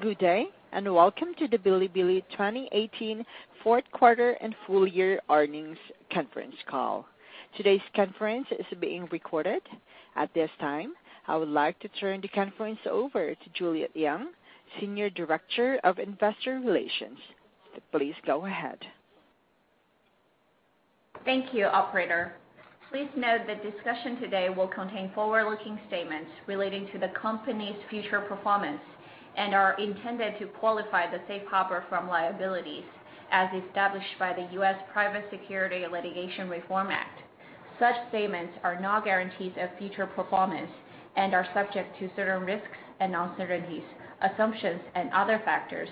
Good day, welcome to the Bilibili 2018 fourth quarter and full year earnings conference call. Today's conference is being recorded. At this time, I would like to turn the conference over to Juliet Yang, Senior Director of Investor Relations. Please go ahead. Thank you, operator. Please note that discussion today will contain forward-looking statements relating to the company's future performance and are intended to qualify the safe harbor from liabilities as established by the U.S. Private Securities Litigation Reform Act. Such statements are not guarantees of future performance and are subject to certain risks and uncertainties, assumptions, and other factors.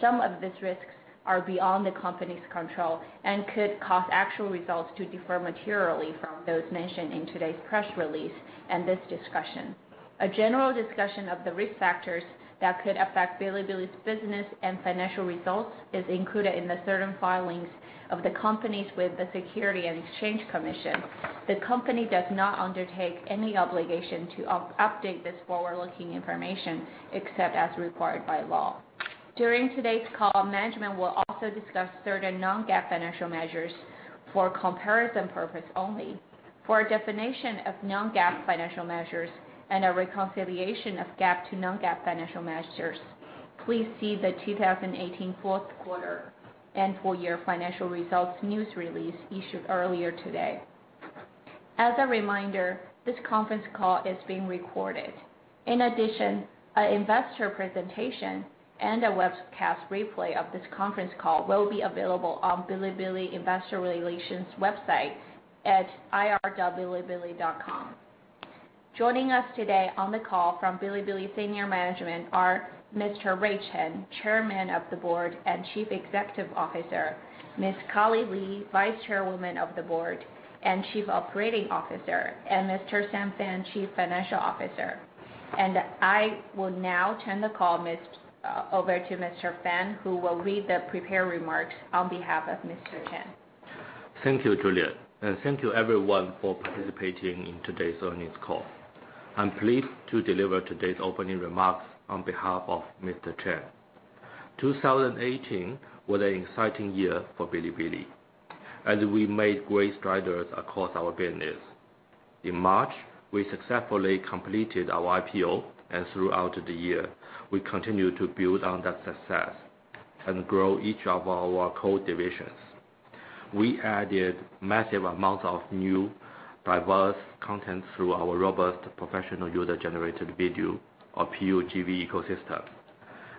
Some of these risks are beyond the company's control and could cause actual results to differ materially from those mentioned in today's press release and this discussion. A general discussion of the risk factors that could affect Bilibili's business and financial results is included in the certain filings of the companies with the Securities and Exchange Commission. The company does not undertake any obligation to update this forward-looking information except as required by law. During today's call, management will also discuss certain non-GAAP financial measures for comparison purpose only. For a definition of non-GAAP financial measures and a reconciliation of GAAP to non-GAAP financial measures, please see the 2018 fourth quarter and full year financial results news release issued earlier today. As a reminder, this conference call is being recorded. In addition, an investor presentation and a webcast replay of this conference call will be available on Bilibili investor relations website at ir.bilibili.com. Joining us today on the call from Bilibili senior management are Mr. Rui Chen, Chairman of the Board and Chief Executive Officer, Ms. Ni Li, Vice Chairwoman of the Board and Chief Operating Officer, and Mr. Xin Fan, Chief Financial Officer. I will now turn the call over to Mr. Fan who will read the prepared remarks on behalf of Mr. Chen. Thank you, Juliet, thank you, everyone, for participating in today's earnings call. I'm pleased to deliver today's opening remarks on behalf of Mr. Chen. 2018 was an exciting year for Bilibili as we made great strides across our business. In March, we successfully completed our IPO, and throughout the year, we continued to build on that success and grow each of our core divisions. We added massive amounts of new, diverse content through our robust professional user-generated video, or PUGV ecosystem,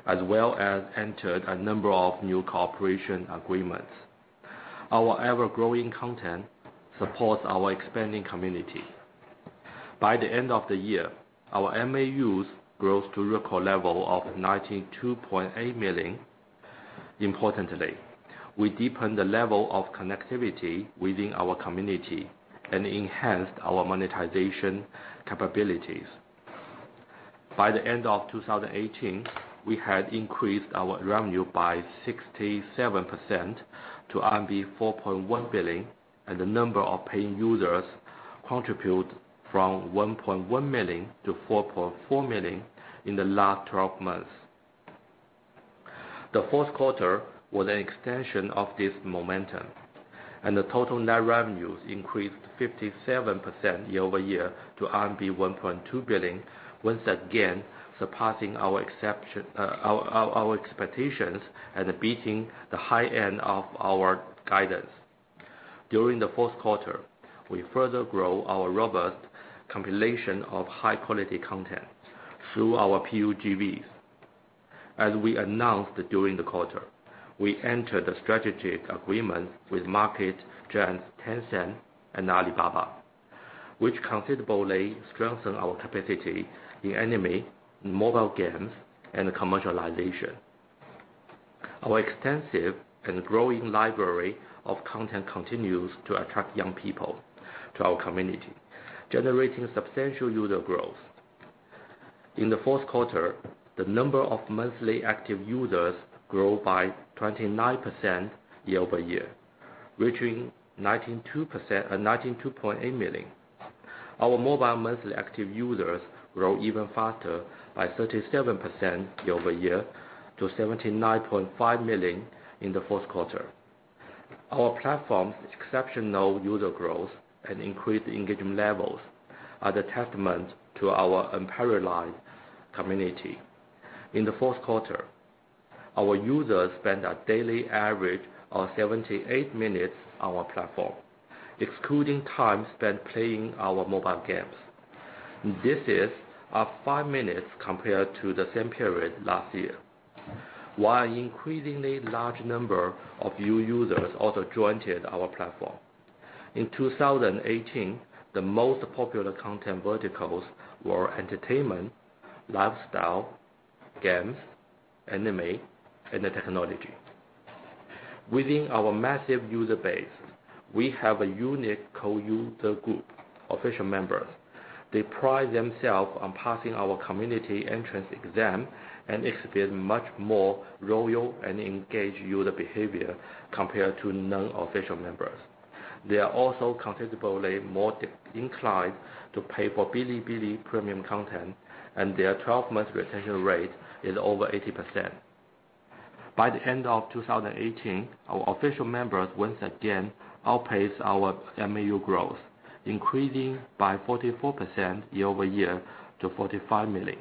as well as entered a number of new cooperation agreements. Our ever-growing content supports our expanding community. By the end of the year, our MAUs grows to record level of 92.8 million. Importantly, we deepened the level of connectivity within our community and enhanced our monetization capabilities. By the end of 2018, we had increased our revenue by 67% to RMB 4.1 billion, and the number of paying users contribute from 1.1 million to 4.4 million in the last 12 months. The fourth quarter was an extension of this momentum, the total net revenues increased 57% year-over-year to RMB 1.2 billion, once again, surpassing our expectations and beating the high end of our guidance. During the fourth quarter, we further grow our robust compilation of high-quality content through our PUGVs. As we announced during the quarter, we entered a strategic agreement with market giants Tencent and Alibaba, which considerably strengthen our capacity in anime, mobile games, and commercialization. Our extensive and growing library of content continues to attract young people to our community, generating substantial user growth. In the fourth quarter, the number of monthly active users grew by 29% year-over-year, reaching 92.8 million. Our mobile monthly active users grow even faster by 37% year-over-year to 79.5 million in the fourth quarter. Our platform's exceptional user growth and increased engagement levels are a testament to our unparalleled community. In the fourth quarter, our users spent a daily average of 78 minutes on our platform, excluding time spent playing our mobile games. This is up five minutes compared to the same period last year, while an increasingly large number of new users also joined our platform. In 2018, the most popular content verticals were entertainment, lifestyle, games, anime, and technology. Within our massive user base, we have a unique core user group, official members. They pride themselves on passing our community entrance exam and exhibit much more loyal and engaged user behavior compared to non-official members. They are also considerably more inclined to pay for Bilibili premium content, and their 12-month retention rate is over 80%. By the end of 2018, our official members once again outpaced our MAU growth, increasing by 44% year-over-year to 45 million.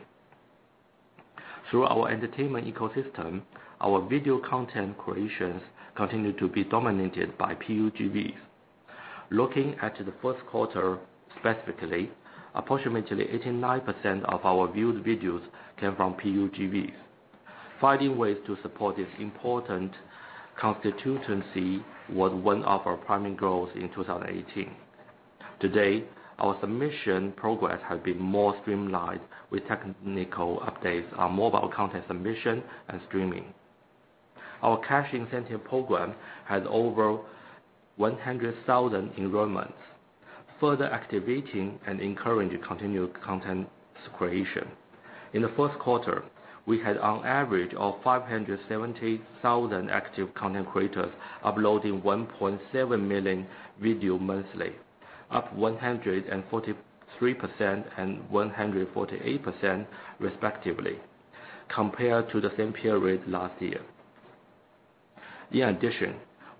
Through our entertainment ecosystem, our video content creations continue to be dominated by PUGV. Looking at the first quarter specifically, approximately 89% of our viewed videos came from PUGVs. Finding ways to support this important constituency was one of our primary goals in 2018. Today, our submission progress has been more streamlined with technical updates on mobile content submission and streaming. Our cash incentive program has over 100,000 enrollments, further activating and encouraging continued content creation. In the first quarter, we had on average of 570,000 active content creators uploading 1.7 million video monthly, up 143% and 148% respectively, compared to the same period last year.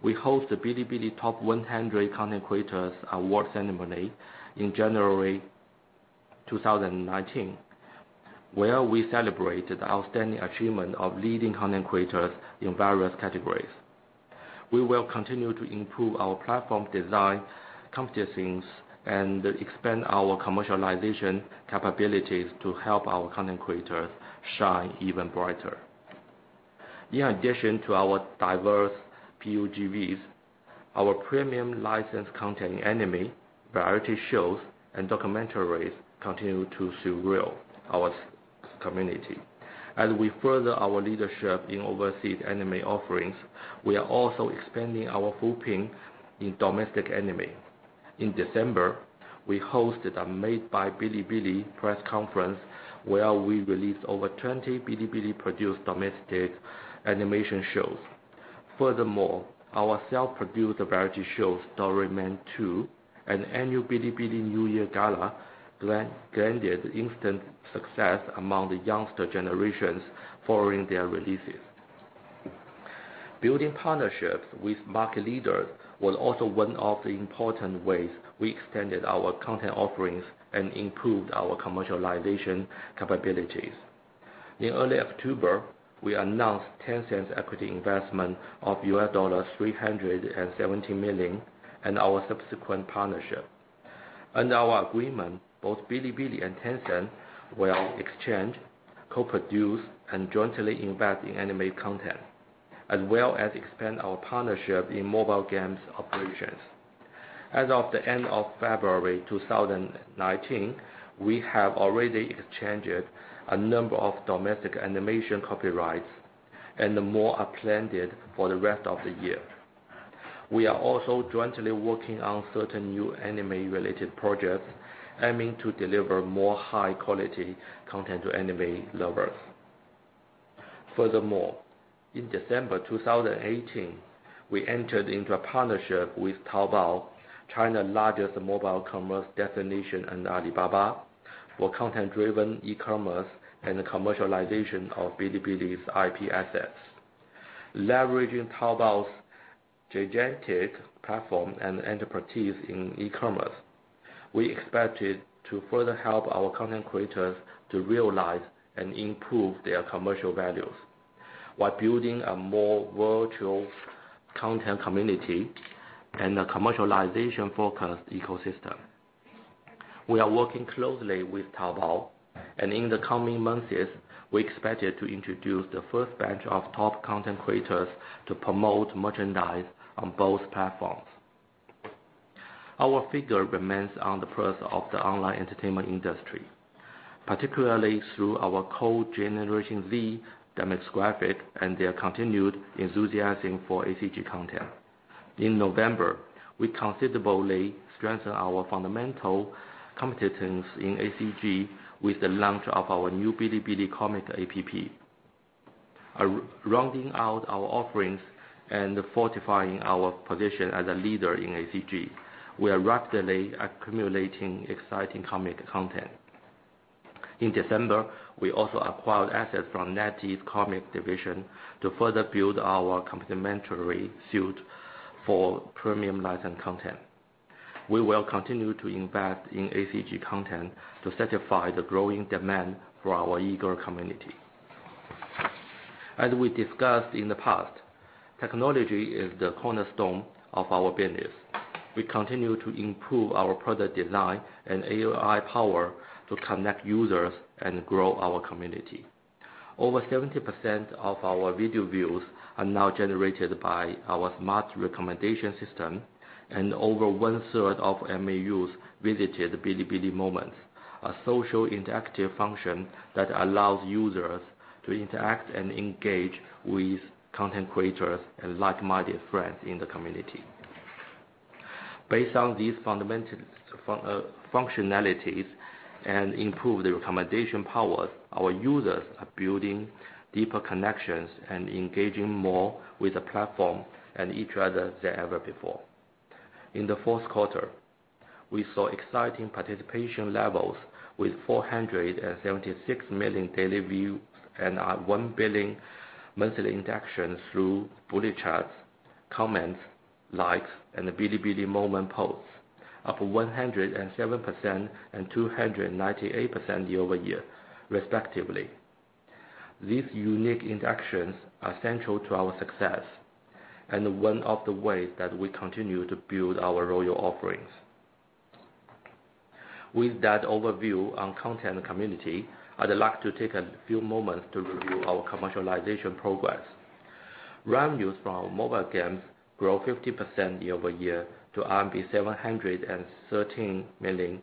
We host the Bilibili Top 100 Content Creators award ceremony in January 2019, where we celebrated the outstanding achievement of leading content creators in various categories. We will continue to improve our platform design competencies and expand our commercialization capabilities to help our content creators shine even brighter. To our diverse PUGVs, our premium licensed content, anime, variety shows, and documentaries continue to thrill our community. As we further our leadership in overseas anime offerings, we are also expanding our footprint in domestic anime. In December, we hosted a Made by Bilibili press conference where we released over 20 Bilibili-produced domestic animation shows. Furthermore, our self-produced variety shows, Doraemon 2 and annual Bilibili New Year's Eve Gala, granted instant success among the youngster generations following their releases. Building partnerships with market leaders was also one of the important ways we extended our content offerings and improved our commercialization capabilities. In early October, we announced Tencent's equity investment of $370 million and our subsequent partnership. Under our agreement, both Bilibili and Tencent will exchange, co-produce, and jointly invest in anime content, as well as expand our partnership in mobile games operations. As of the end of February 2019, we have already exchanged a number of domestic animation copyrights and more are planned for the rest of the year. We are also jointly working on certain new anime-related projects aiming to deliver more high-quality content to anime lovers. Furthermore, in December 2018, we entered into a partnership with Taobao, China's largest mobile commerce destination, and Alibaba for content-driven e-commerce and the commercialization of Bilibili's IP assets. Leveraging Taobao's gigantic platform and expertise in e-commerce, we expected to further help our content creators to realize and improve their commercial values, while building a more virtual content community and a commercialization-focused ecosystem. We are working closely with Taobao and in the coming months, we expected to introduce the first batch of top content creators to promote merchandise on both platforms. Our figure remains on the pulse of the online entertainment industry, particularly through our core Generation Z demographic and their continued enthusiasm for ACG content. In November, we considerably strengthened our fundamental competence in ACG with the launch of our new Bilibili Comics App. Rounding out our offerings and fortifying our position as a leader in ACG, we are rapidly accumulating exciting comic content. In December, we also acquired assets from NetEase's comic division to further build our complimentary suite for premium licensed content. We will continue to invest in ACG content to satisfy the growing demand for our eager community. As we discussed in the past, technology is the cornerstone of our business. We continue to improve our product design and AI power to connect users and grow our community. Over 70% of our video views are now generated by our smart recommendation system and over one-third of MAUs visited Bilibili Moments, a social interactive function that allows users to interact and engage with content creators and like-minded friends in the community. Based on these functionalities and improved recommendation powers, our users are building deeper connections and engaging more with the platform and each other than ever before. In the fourth quarter, we saw exciting participation levels with 476 million daily views and 1 billion monthly interactions through bullet comments, likes, and the Bilibili Moments posts, up 107% and 298% year-over-year respectively. These unique interactions are central to our success and one of the ways that we continue to build our loyal offerings. With that overview on content community, I'd like to take a few moments to review our commercialization progress. Revenues from our mobile games grew 50% year-over-year to RMB 713 million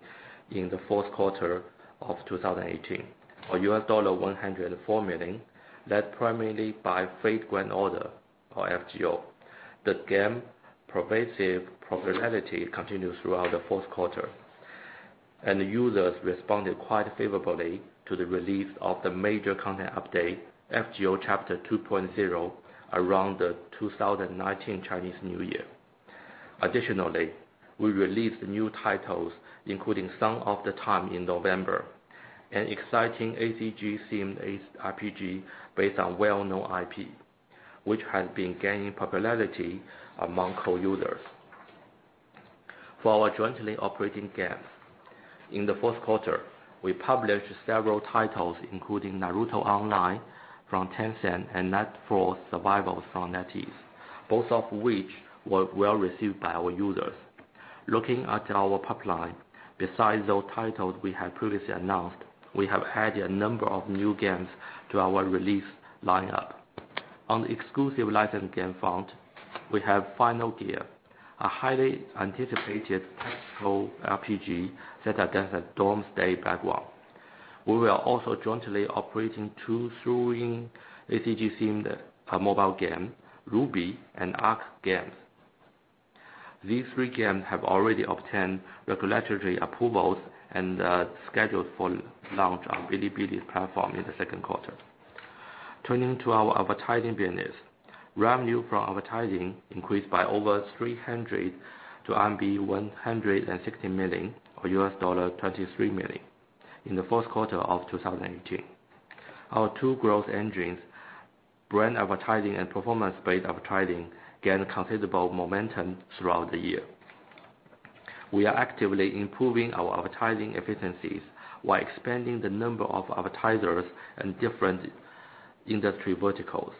in the fourth quarter of 2018, or $104 million, led primarily by Fate/Grand Order, or FGO. The game pervasive popularity continued throughout the fourth quarter. Users responded quite favorably to the release of the major content update, FGO Chapter 2.0 around the 2019 Chinese New Year. Additionally, we released new titles including Song of Time in November, an exciting ACG-themed RPG based on a well-known IP, which has been gaining popularity among core users. For our jointly operating games, in the fourth quarter, we published several titles including Naruto Online from Tencent and LifeAfter from NetEase, both of which were well-received by our users. Looking at our pipeline, besides those titles we have previously announced, we have added a number of new games to our release lineup. On the exclusive licensed game front, we have Final Gear, a highly anticipated tactical RPG set against a doomsday background. We are also jointly operating two thrilling ACG-themed mobile game, RWBY and Arknights. These three games have already obtained regulatory approvals and are scheduled for launch on Bilibili's platform in the second quarter. Turning to our advertising business. Revenue from advertising increased by over 300% to RMB 160 million, or $23 million in the fourth quarter of 2018. Our two growth engines, brand advertising and performance-based advertising, gained considerable momentum throughout the year. We are actively improving our advertising efficiencies while expanding the number of advertisers in different industry verticals.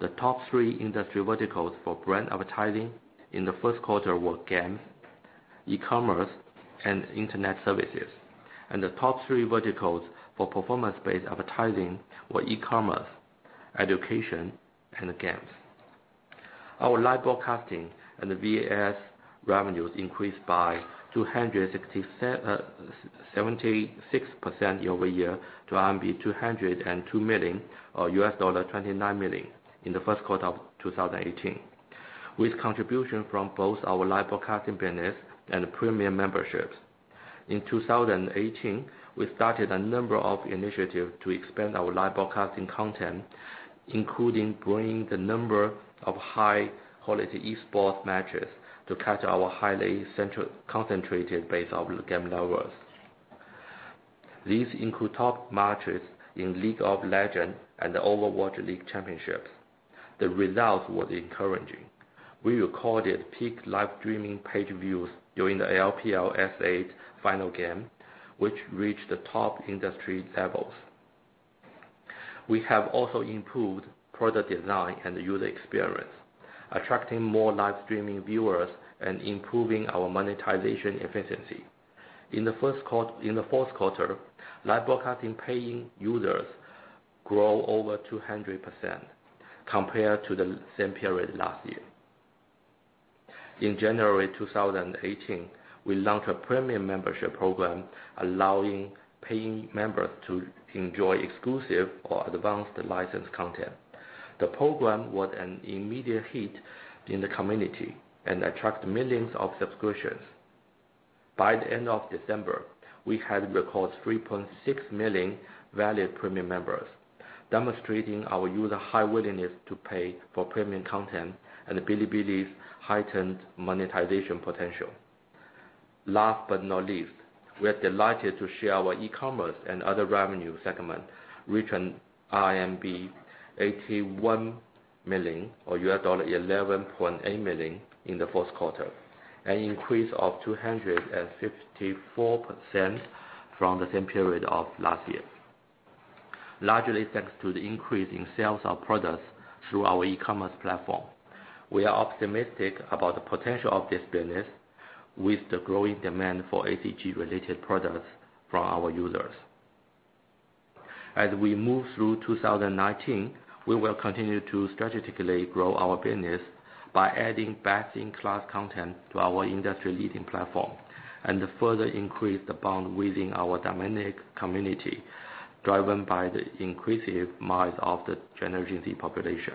The top three industry verticals for brand advertising in the first quarter were games, e-commerce, and internet services. The top three verticals for performance-based advertising were e-commerce, education, and games. Our live broadcasting and VAS revenues increased by 276% year-over-year to RMB 202 million, or $29 million in the fourth quarter of 2018, with contribution from both our live broadcasting business and premium memberships. In 2018, we started a number of initiatives to expand our live broadcasting content, including growing the number of high-quality esports matches to cater our highly concentrated base of game lovers. These include top matches in League of Legends and the Overwatch League championships. The results were encouraging. We recorded peak live streaming page views during the LPL S8 final game, which reached the top industry levels. We have also improved product design and user experience, attracting more live streaming viewers and improving our monetization efficiency. In the fourth quarter, live broadcasting paying users grew over 200% compared to the same period last year. In January 2018, we launched a premium membership program allowing paying members to enjoy exclusive or advanced licensed content. The program was an immediate hit in the community and attracted millions of subscriptions. By the end of December, we had recorded 3.6 million valid premium members, demonstrating our user high willingness to pay for premium content and Bilibili's heightened monetization potential. Last but not least, we are delighted to share our e-commerce and other revenue segment, reaching RMB 81 million, or $11.8 million in the fourth quarter, an increase of 254% from the same period of last year. Largely thanks to the increase in sales of products through our e-commerce platform. We are optimistic about the potential of this business with the growing demand for ACG-related products from our users. As we move through 2019, we will continue to strategically grow our business by adding best-in-class content to our industry-leading platform, and further increase the bond within our dynamic community, driven by the increasing might of the Generation Z population.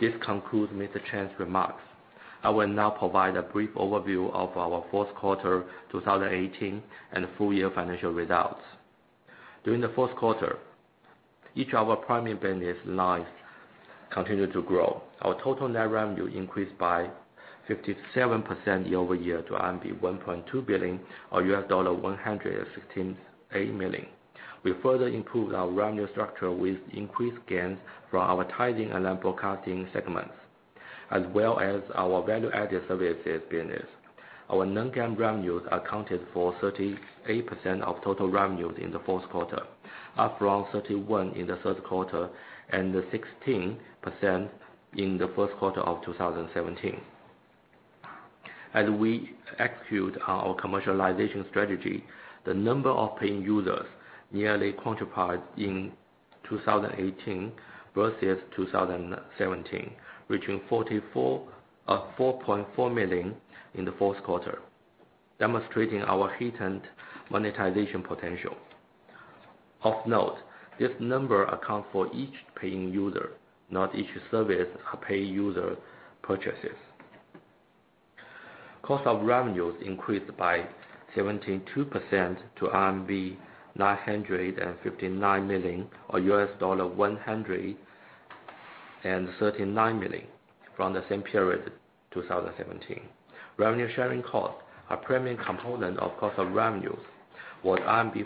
This concludes Mr. Chen's remarks. I will now provide a brief overview of our fourth quarter 2018 and full-year financial results. During the fourth quarter, each of our primary business lines continued to grow. Our total net revenue increased by 57% year-over-year to RMB 1.2 billion or US$168 million. We further improved our revenue structure with increased gains from our advertising and live broadcasting segments, as well as our value-added services business. Our non-GAAP revenues accounted for 38% of total revenues in the fourth quarter, up from 31% in the third quarter and 16% in the first quarter of 2017. As we execute our commercialization strategy, the number of paying users nearly quadrupled in 2018 versus 2017, reaching 4.4 million in the fourth quarter, demonstrating our heightened monetization potential. Of note, this number accounts for each paying user, not each service a paying user purchases. Cost of revenues increased by 72% to RMB 959 million or US$139 million from the same period, 2017. Revenue sharing costs, a premium component of cost of revenues, was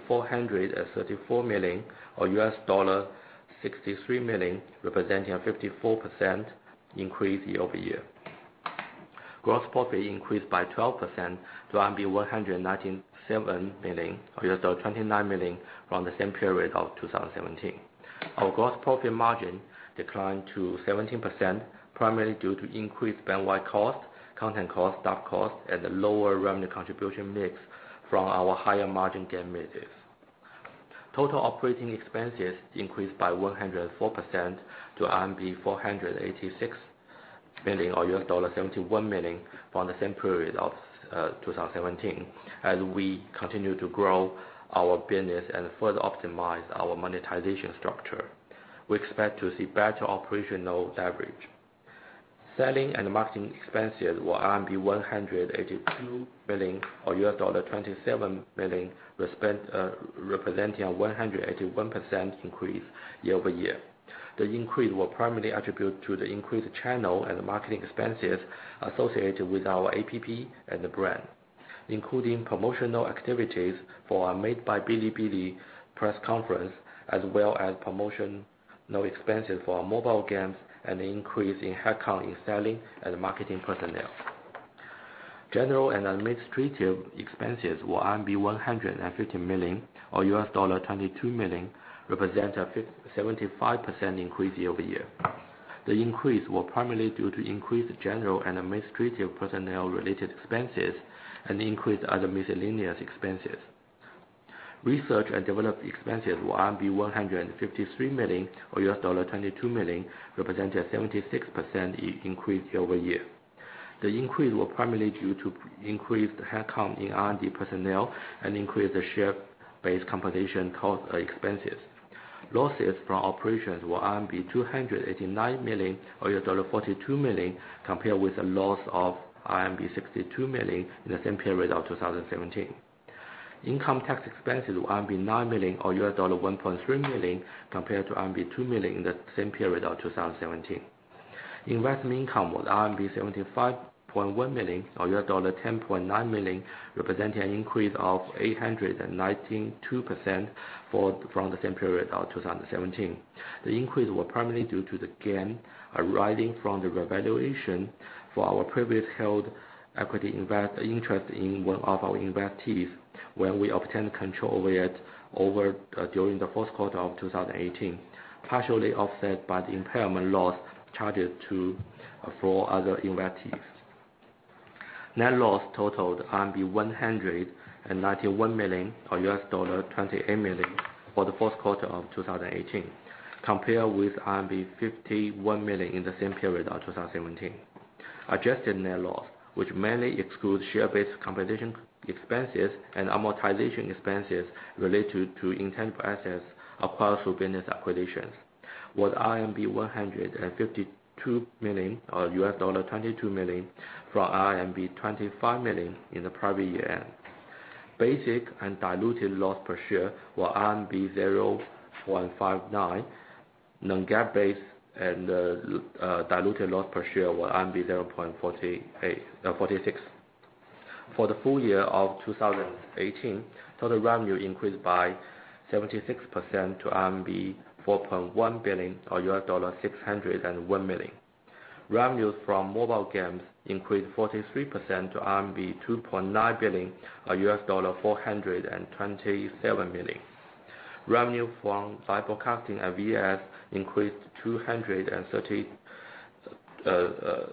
434 million or US$63 million, representing a 54% increase year-over-year. Gross profit increased by 12% to RMB 197 million or US$29 million from the same period of 2017. Our gross profit margin declined to 17%, primarily due to increased bandwidth costs, content costs, staff costs, and a lower revenue contribution mix from our higher margin game mixes. Total operating expenses increased by 104% to RMB 486 million or US$71 million from the same period of 2017. As we continue to grow our business and further optimize our monetization structure, we expect to see better operational leverage. Selling and marketing expenses were RMB 182 million or US$27 million, representing a 181% increase year-over-year. The increase was primarily attributed to the increased channel and marketing expenses associated with our app and the brand, including promotional activities for our Made by Bilibili press conference, as well as promotional expenses for our mobile games and an increase in headcount in selling and marketing personnel. General and administrative expenses were 150 million or US$22 million, represent a 75% increase year-over-year. The increase was primarily due to increased general and administrative personnel-related expenses and increased other miscellaneous expenses. Research and development expenses were 153 million or US$22 million, representing a 76% increase year-over-year. The increase was primarily due to increased headcount in R&D personnel and increased share-based compensation cost expenses. Losses from operations were RMB 289 million or US$42 million, compared with a loss of RMB 62 million in the same period of 2017. Income tax expenses were RMB 9 million or US$1.3 million, compared to RMB 2 million in the same period of 2017. Investment income was RMB 75.1 million or US$10.9 million, representing an increase of 892% from the same period of 2017. The increase was primarily due to the gain arising from the revaluation for our previously held equity interest in one of our investees, when we obtained control over during the fourth quarter of 2018, partially offset by the impairment loss charged to four other investees. Net loss totaled RMB 191 million or US$28 million for the fourth quarter of 2018, compared with RMB 51 million in the same period of 2017. Adjusted net loss, which mainly excludes share-based compensation expenses and amortization expenses related to intangible assets acquired through business acquisitions, was RMB 152 million or US$22 million from RMB 25 million in the prior year. Basic and diluted loss per share were RMB 0.59, non-GAAP base, and diluted loss per share were RMB 0.46. For the full year of 2018, total revenue increased by 76% to RMB 4.1 billion or $601 million. Revenues from mobile games increased 43% to RMB 2.9 billion or $427 million. Revenue from live broadcasting and VAS increased 232% to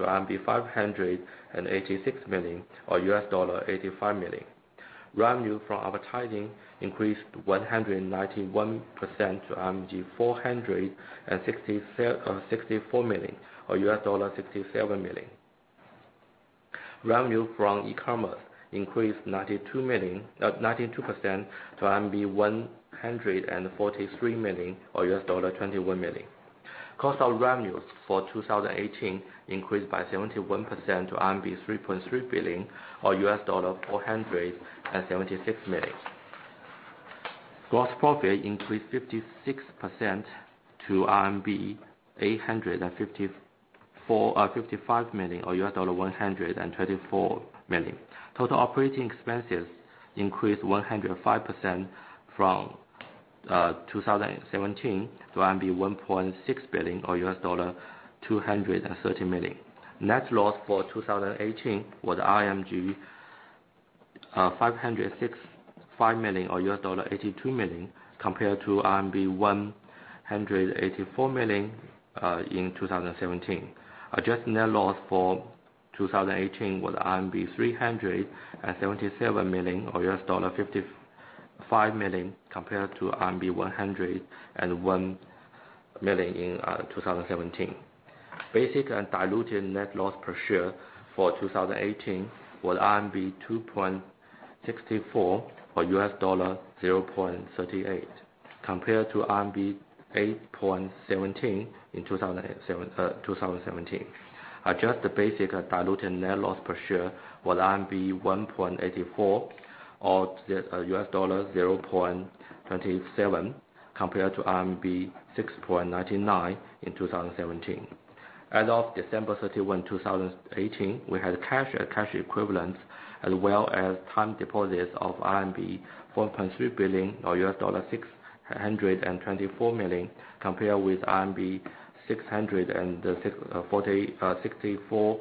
RMB 586 million or $85 million. Revenue from advertising increased 191% to 464 million or $67 million. Revenue from e-commerce increased 92% to RMB 143 million or $21 million. Cost of revenues for 2018 increased by 71% to RMB 3.3 billion or $476 million. Gross profit increased 56% to RMB 855 million or $124 million. Total operating expenses increased 105% from 2017 to 1.6 billion or $230 million. Net loss for 2018 was 565 million or $82 million compared to RMB 184 million in 2017. Adjusted net loss for 2018 was RMB 377 million or $55 million compared to RMB 101 million in 2017. Basic and diluted net loss per share for 2018 was RMB 2.64 or $0.38 compared to RMB 8.17 in 2017. Adjusted basic and diluted net loss per share was RMB 1.84 or $0.27 compared to RMB 6.99 in 2017. As of December 31, 2018, we had a cash equivalent as well as time deposits of RMB 4.3 billion or $624 million, compared with RMB 664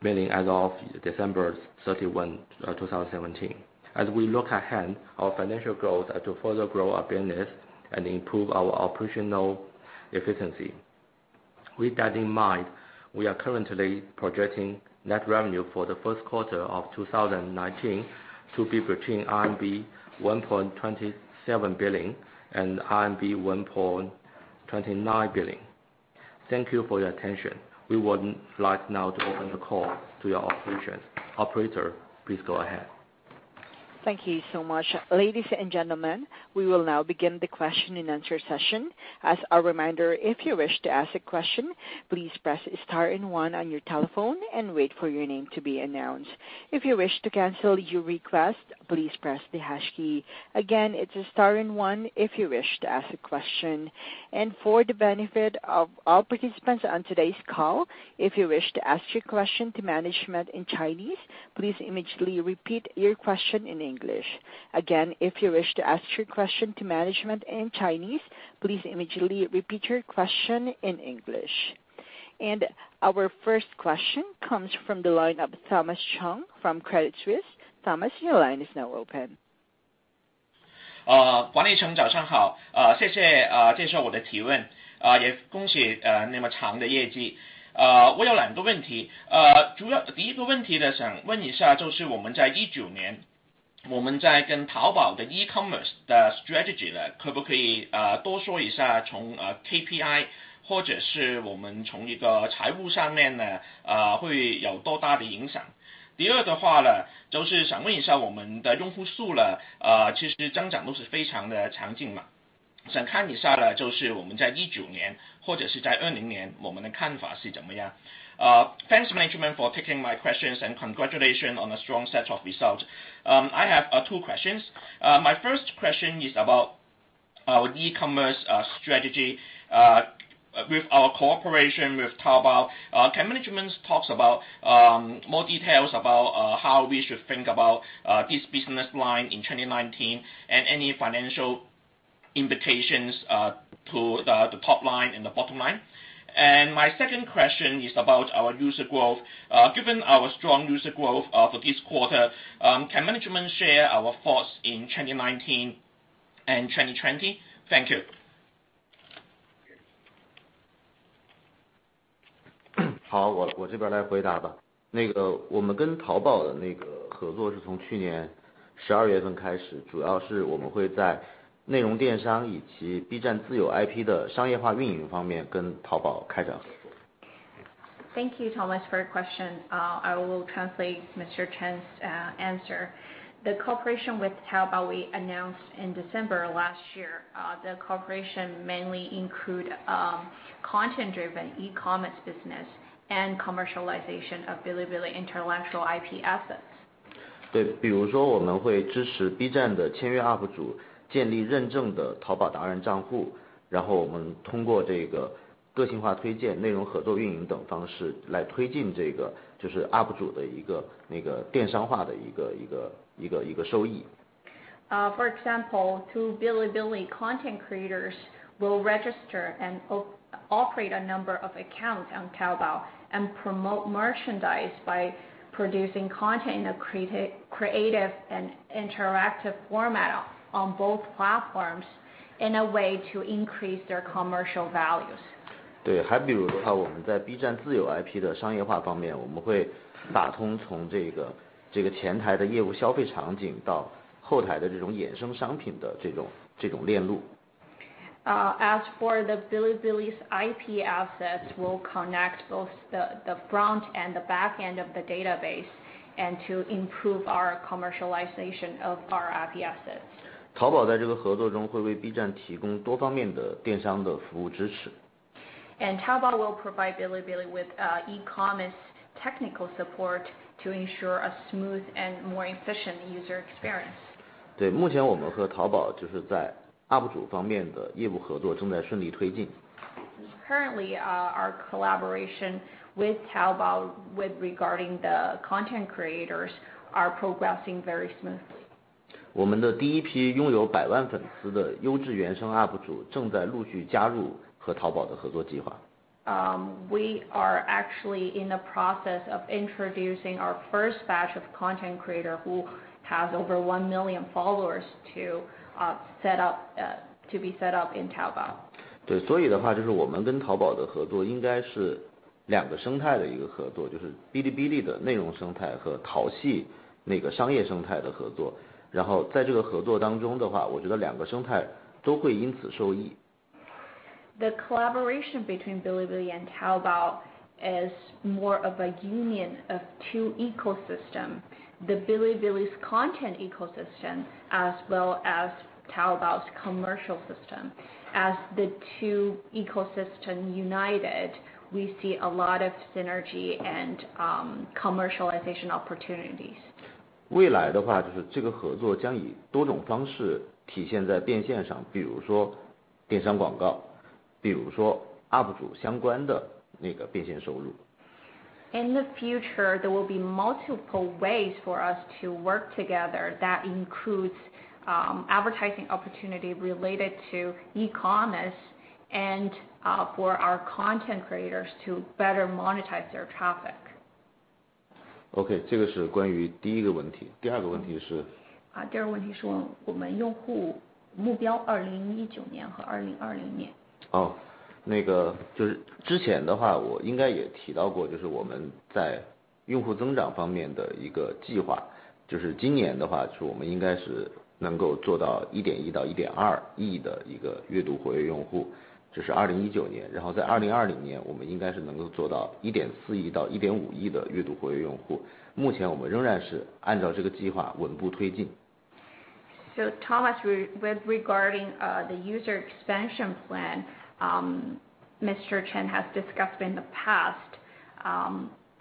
million as of December 31, 2017. As we look ahead, our financial goals are to further grow our business and improve our operational efficiency. With that in mind, we are currently projecting net revenue for the first quarter of 2019 to be between RMB 1.27 billion and RMB 1.29 billion. Thank you for your attention. We would like now to open the call to our operations. Operator, please go ahead. Thank you so much. Ladies and gentlemen, we will now begin the question and answer session. As a reminder, if you wish to ask a question, please press star and one on your telephone and wait for your name to be announced. If you wish to cancel your request, please press the hash key. Again, it's star and one if you wish to ask a question. For the benefit of all participants on today's call, if you wish to ask your question to management in Chinese, please immediately repeat your question in English. Again, if you wish to ask your question to management in Chinese, please immediately repeat your question in English. Our first question comes from the line of Thomas Chong from Credit Suisse. Thomas, your line is now open. Thanks, management, for taking my questions, and congratulations on a strong set of results. I have two questions. My first question is about our e-commerce strategy. With our cooperation with Taobao, can management talk about more details about how we should think about this business line in 2019 and any financial implications to the top line and the bottom line? My second question is about our user growth. Given our strong user growth for this quarter, can management share our thoughts in 2019 and 2020? Thank you. Thank you, Thomas, for your question. I will translate Mr. Chen's answer. The cooperation with Taobao we announced in December last year. The cooperation mainly include content-driven e-commerce business and commercialization of Bilibili intellectual IP assets. For example, Bilibili content creators will register and operate a number of accounts on Taobao and promote merchandise by producing content in a creative and interactive format on both platforms in a way to increase their commercial values. As for Bilibili's IP assets, we'll connect both the front and the back end of the database and to improve our commercialization of our IP assets. Taobao will provide Bilibili with e-commerce technical support to ensure a smooth and more efficient user experience. 对，目前我们和淘宝就是在UP主方面的业务合作，正在顺利推进。Currently, our collaboration with Taobao regarding the content creators is progressing very smoothly. 我们的第一批拥有百万粉丝的优质原生UP主，正在陆续加入和淘宝的合作计划。We are actually in the process of introducing our first batch of content creators who have over 1 million followers to be set up in Taobao. 对，所以我们跟淘宝的合作应该是两个生态的一个合作，就是哔哩哔哩的内容生态和淘系商业生态的合作。在这个合作当中，我觉得两个生态都会因此受益。The collaboration between Bilibili and Taobao is more of a union of two ecosystems: Bilibili's content ecosystem, as well as Taobao's commercial system. As the two ecosystems united, we see a lot of synergy and commercialization opportunities. 未来的话，这个合作将以多种方式体现在变现上，比如说电商广告，比如说UP主相关的变现收入。In the future, there will be multiple ways for us to work together. That includes advertising opportunity related to e-commerce and for our content creators to better monetize their traffic. OK，这个是关于第一个问题。第二个问题是？ 第二个问题是我们用户目标2019年和2020年。之前我应该也提到过，我们在用户增长方面的一个计划。今年我们应该是能够做到1.1到1.2亿的月度活跃用户，这是2019年。在2020年，我们应该是能够做到1.4亿到1.5亿的月度活跃用户。目前我们仍然是按照这个计划稳步推进。Thomas, regarding the user expansion plan, Mr. Chen has discussed in the past.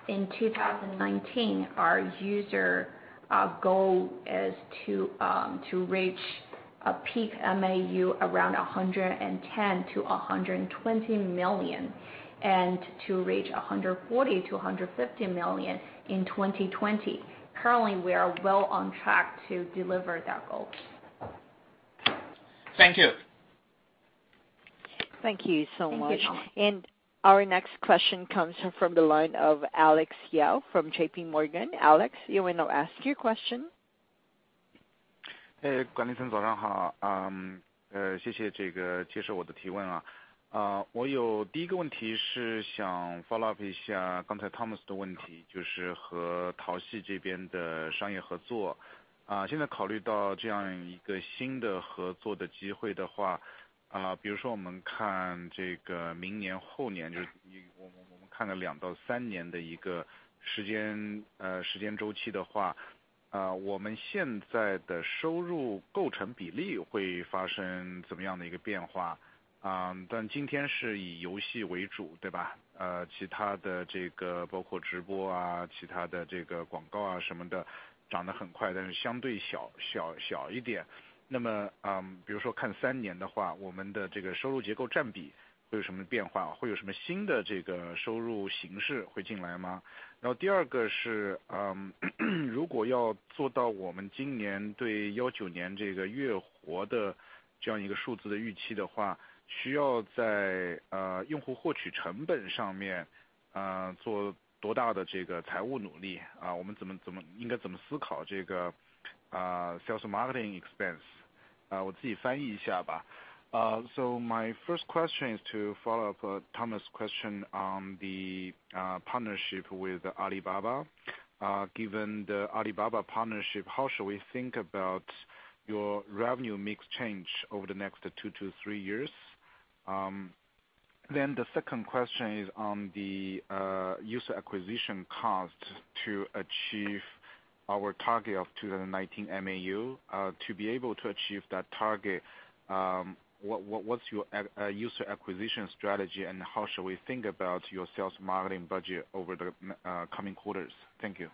In 2019, our user goal is to reach a peak MAU around 110-120 million, and to reach 140-150 million in 2020. Currently, we are well on track to deliver that goal. Thank you. Thank you so much. Our next question comes from the line of Alex Yao from JP Morgan. Alex, you may now ask your question. 管理层早上好，谢谢接受我的提问。我第一个问题是想follow marketing expense？我自己翻译一下吧。So my first question is to follow up Thomas' question on the partnership with Alibaba. Given the Alibaba partnership, how should we think about your revenue mix change over the next two to three years? The second question is on the user acquisition cost to achieve our target of 2019 MAU. To be able to achieve that target, what's your user acquisition strategy, and how should we think about your sales marketing budget over the coming quarters? Thank you.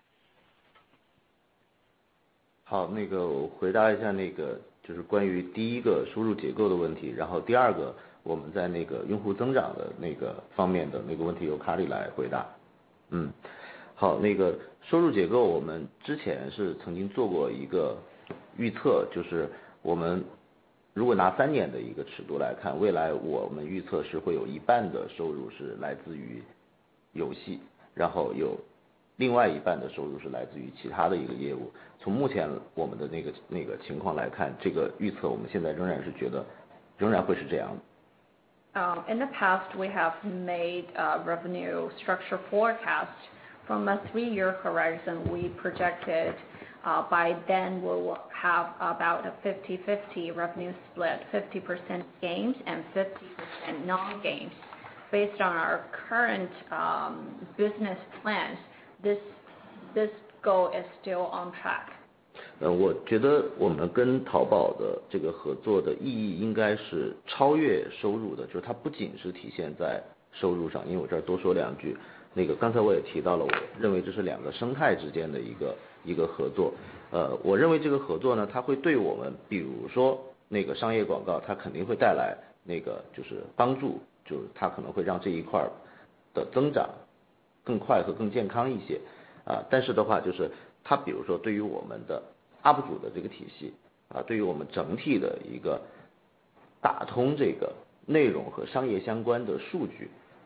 好，我回答一下关于第一个收入结构的问题，第二个我们在用户增长方面的问题由Carly来回答。收入结构我们之前是曾经做过一个预测，我们如果拿三年的一个尺度来看，未来我们预测是会有一半的收入来自于游戏，有另外一半的收入是来自于其他的一个业务。从目前我们的情况来看，这个预测我们现在仍然觉得仍然会是这样。In the past, we have made revenue structure forecasts. From a three-year horizon, we projected that by then, we will have about a 50/50 revenue split: 50% games and 50% non-games. Based on our current business plans, this goal is still on track.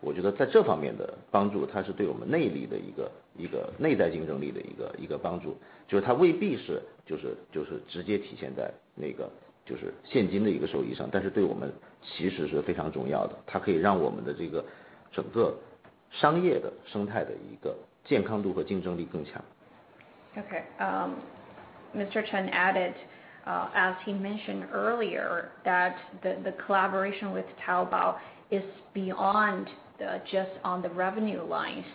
OK. Mr. Chen added, as he mentioned earlier, that the collaboration with Taobao is beyond just on the revenue lines.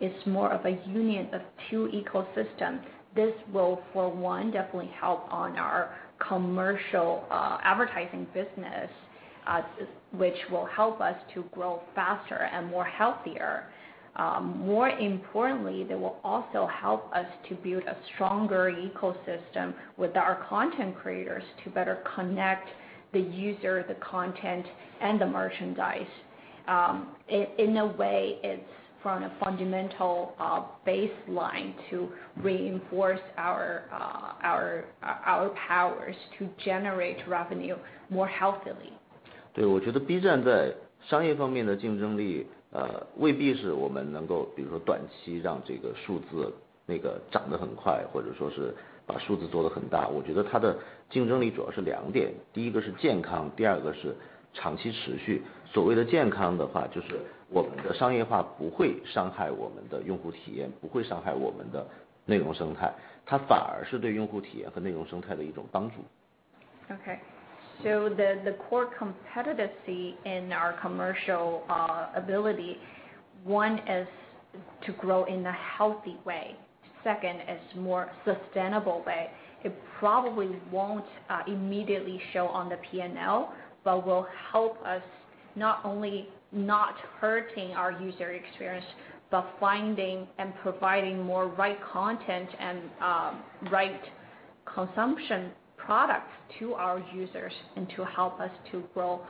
It's more of a union of two ecosystems. This will, for one, definitely help on our commercial advertising business, which will help us to grow faster and healthier. More importantly, they will also help us to build a stronger ecosystem with our content creators to better connect the user, the content and the merchandise. In a way, it's from a fundamental baseline to reinforce our powers to generate revenue more healthily. 对，我觉得B站商业方面的竞争力，未必是我们能够，比如说短期让这个数字涨得很快，或者说是把数字做得很大。我觉得它的竞争力主要是两点，第一个是健康，第二个是长期持续。所谓的健康，就是我们的商业化不会伤害我们的用户体验，不会伤害我们的内容生态，它反而是对用户体验和内容生态的一种帮助。OK. The core competitiveness in our commercial ability, one is to grow in a healthy way, second is more sustainable way. It probably won't immediately show on the P&L, but will help us not only not hurting our user experience, but finding and providing more right content and right consumption products to our users and to help us to grow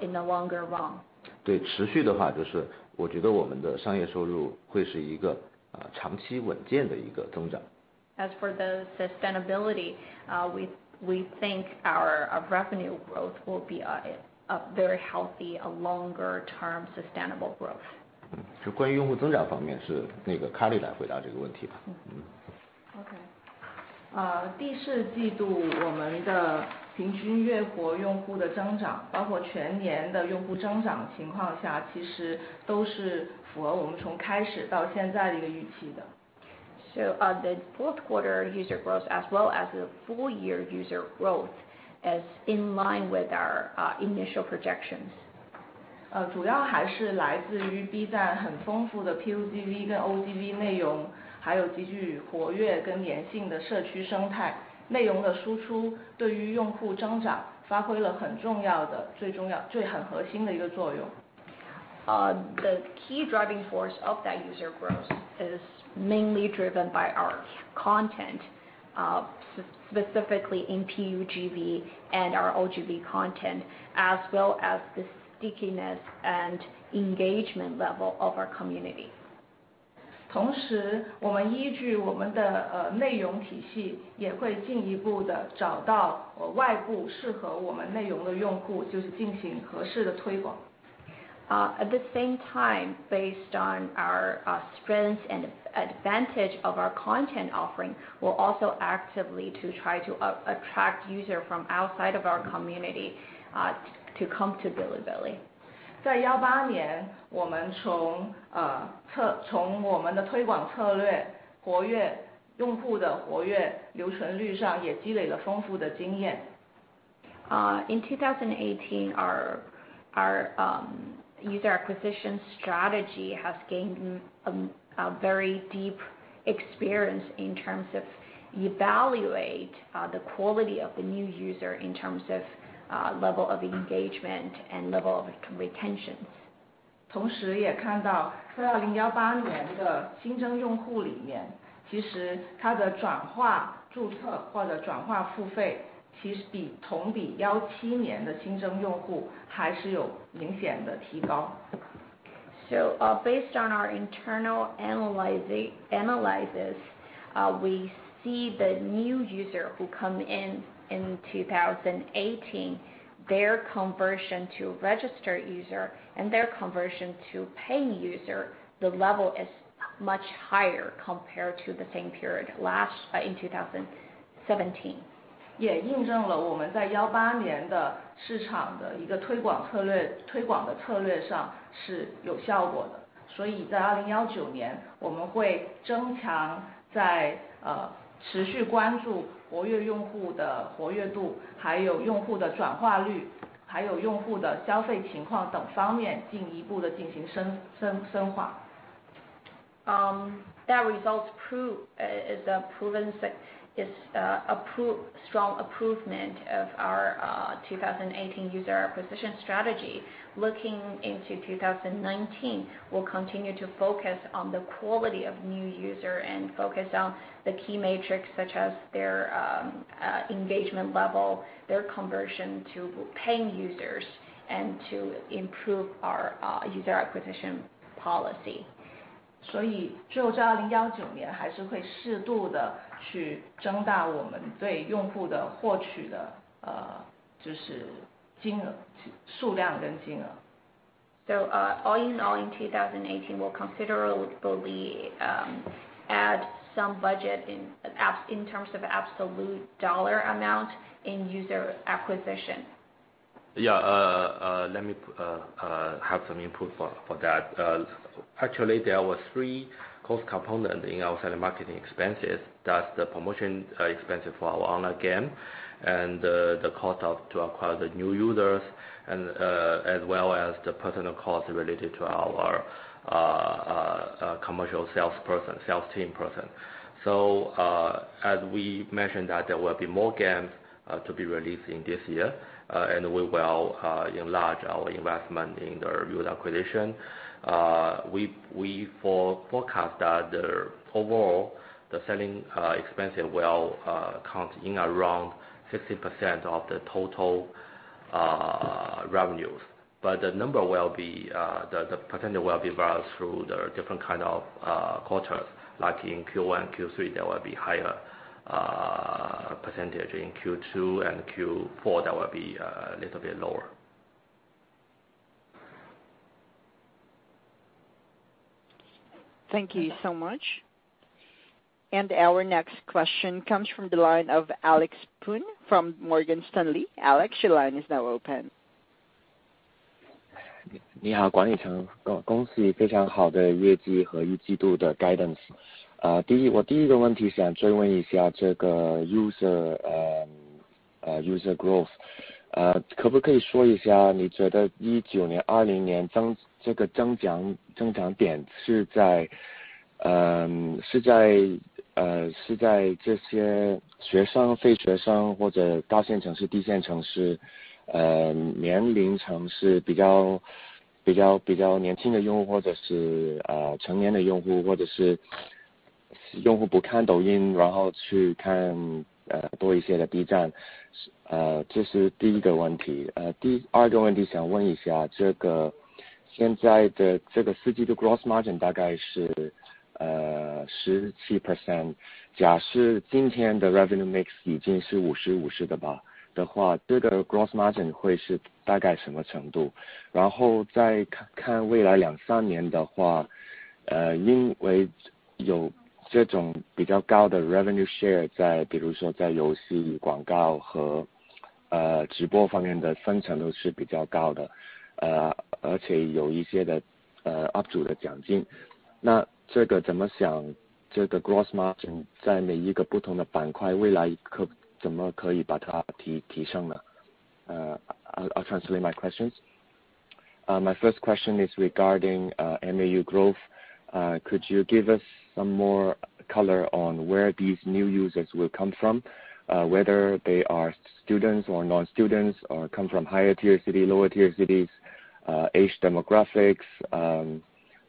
in the longer run. 对，持续的话，我觉得我们的商业收入会是一个长期稳健的增长。As for the sustainability, we think our revenue growth will be a very healthy, a longer term sustainable growth. 关于用户增长方面，是Ni Li来回答这个问题吧。第四季度我们的平均月活用户的增长，包括全年的用户增长情况下，其实都是符合我们从开始到现在的一个预期的。The fourth quarter user growth as well as the full year user growth is in line with our initial projections. 主要还是来自于B站很丰富的PUGV跟OGV内容，还有极具活跃跟粘性的社区生态。内容的输出对于用户增长发挥了很重要的、最核心的一个作用。The key driving force of that user growth is mainly driven by our content, specifically in PUGV and our OGV content, as well as the stickiness and engagement level of our community. 同时，我们依据我们的内容体系，也会进一步地找到外部适合我们内容的用户，进行合适的推广。At the same time, based on our strength and advantage of our content offering, we'll also actively to try to attract user from outside of our community to come to Bilibili. 在2018年，我们从我们的推广策略、用户的活跃、留存率上也积累了丰富的经验。In 2018, our user acquisition strategy has gained a very deep experience in terms of evaluate the quality of the new user, in terms of level of engagement and level of retention. 同时也看到，在2018年的新增用户里面，其实它的转化注册或者转化付费，同比17年的新增用户还是有明显的提高。Based on our internal analysis, we see the new user who come in in 2018, their conversion to registered user and their conversion to paying user, the level is much higher compared to the same period in 2017. 也印证了我们在18年的市场推广的策略上是有效果的。所以在2019年，我们会增强在持续关注活跃用户的活跃度，还有用户的转化率，还有用户的消费情况等方面进一步地进行深化。That result is a strong improvement of our 2018 user acquisition strategy. Looking into 2019, we'll continue to focus on the quality of new users and focus on the key metrics such as their engagement level, their conversion to paying users, and to improve our user acquisition policy. 所以就在2019年还是会适度地去增大我们对用户的获取的数量跟金额。All in all, in 2018, we'll considerably add some budget in terms of absolute dollar amount in user acquisition. Yeah. Let me have some input for that. Actually, there were 3 cost components in our selling and marketing expenses. That's the promotion expense for our online game, and the cost to acquire the new users, as well as the personal cost related to our commercial sales team person. As we mentioned that there will be more games to be released this year, and we will enlarge our investment in the user acquisition. We forecast that overall, the selling expense will count in around 16% of the total revenues, but the percentage will vary through the different quarters. Like in Q1 and Q3, there will be higher percentage. In Q2 and Q4, that will be a little bit lower. Thank you so much. Our next question comes from the line of Alex Poon from Morgan Stanley. Alex, your line is now open. 你好，管毅成。恭喜非常好的业绩和一季度的guidance。我第一个问题想追问一下这个user growth。可不可以说一下，你觉得19年、20年这个增长点是在这些学生、非学生，或者一线城市、低线城市，年龄层是比较年轻的用户，或者是成年的用户，或者是用户不看抖音，然后去看多一些的B站。这是第一个问题。第二个问题想问一下现在的这个四季的gross margin大概是17%。假设今天的revenue mix已经是50-50的话，这个gross margin会是大概什么程度？然后在看未来两三年的话，因为有这种比较高的revenue share，比如说在游戏与广告和直播方面的分层都是比较高的，而且有一些的up主的奖金。那怎么想这个gross margin在每一个不同的板块，未来怎么可以把它提升呢？I'll translate my questions. My first question is regarding MAU growth. Could you give us some more color on where these new users will come from, whether they are students or non-students or come from higher tier city, lower tier cities, age demographics,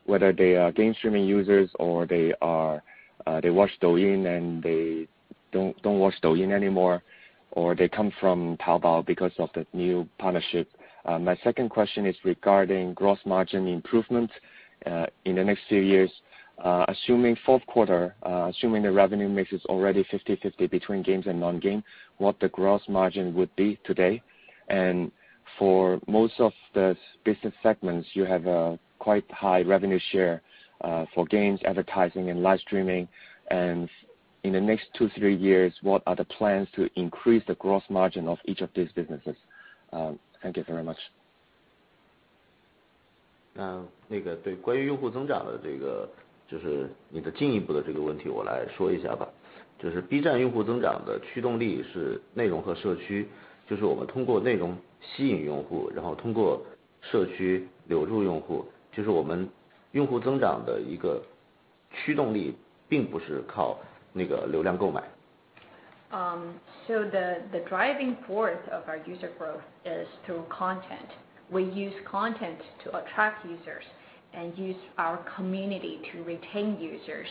whether they are game streaming users or they watched Douyin and they don't watch Douyin anymore, or they come from Taobao because of the new partnership? My second question is regarding gross margin improvement in the next few years. Assuming fourth quarter, assuming the revenue mix is already 50-50 between games and non-game, what the gross margin would be today? For most of the business segments, you have a quite high revenue share for games, advertising and live streaming. In the next two, three years, what are the plans to increase the gross margin of each of these businesses? Thank you very much. 关于用户增长的进一步问题，我来说一下吧。B站用户增长的驱动力是内容和社区，就是我们通过内容吸引用户，然后通过社区留住用户。我们用户增长的一个驱动力并不是靠流量购买。The driving force of our user growth is through content. We use content to attract users and use our community to retain users.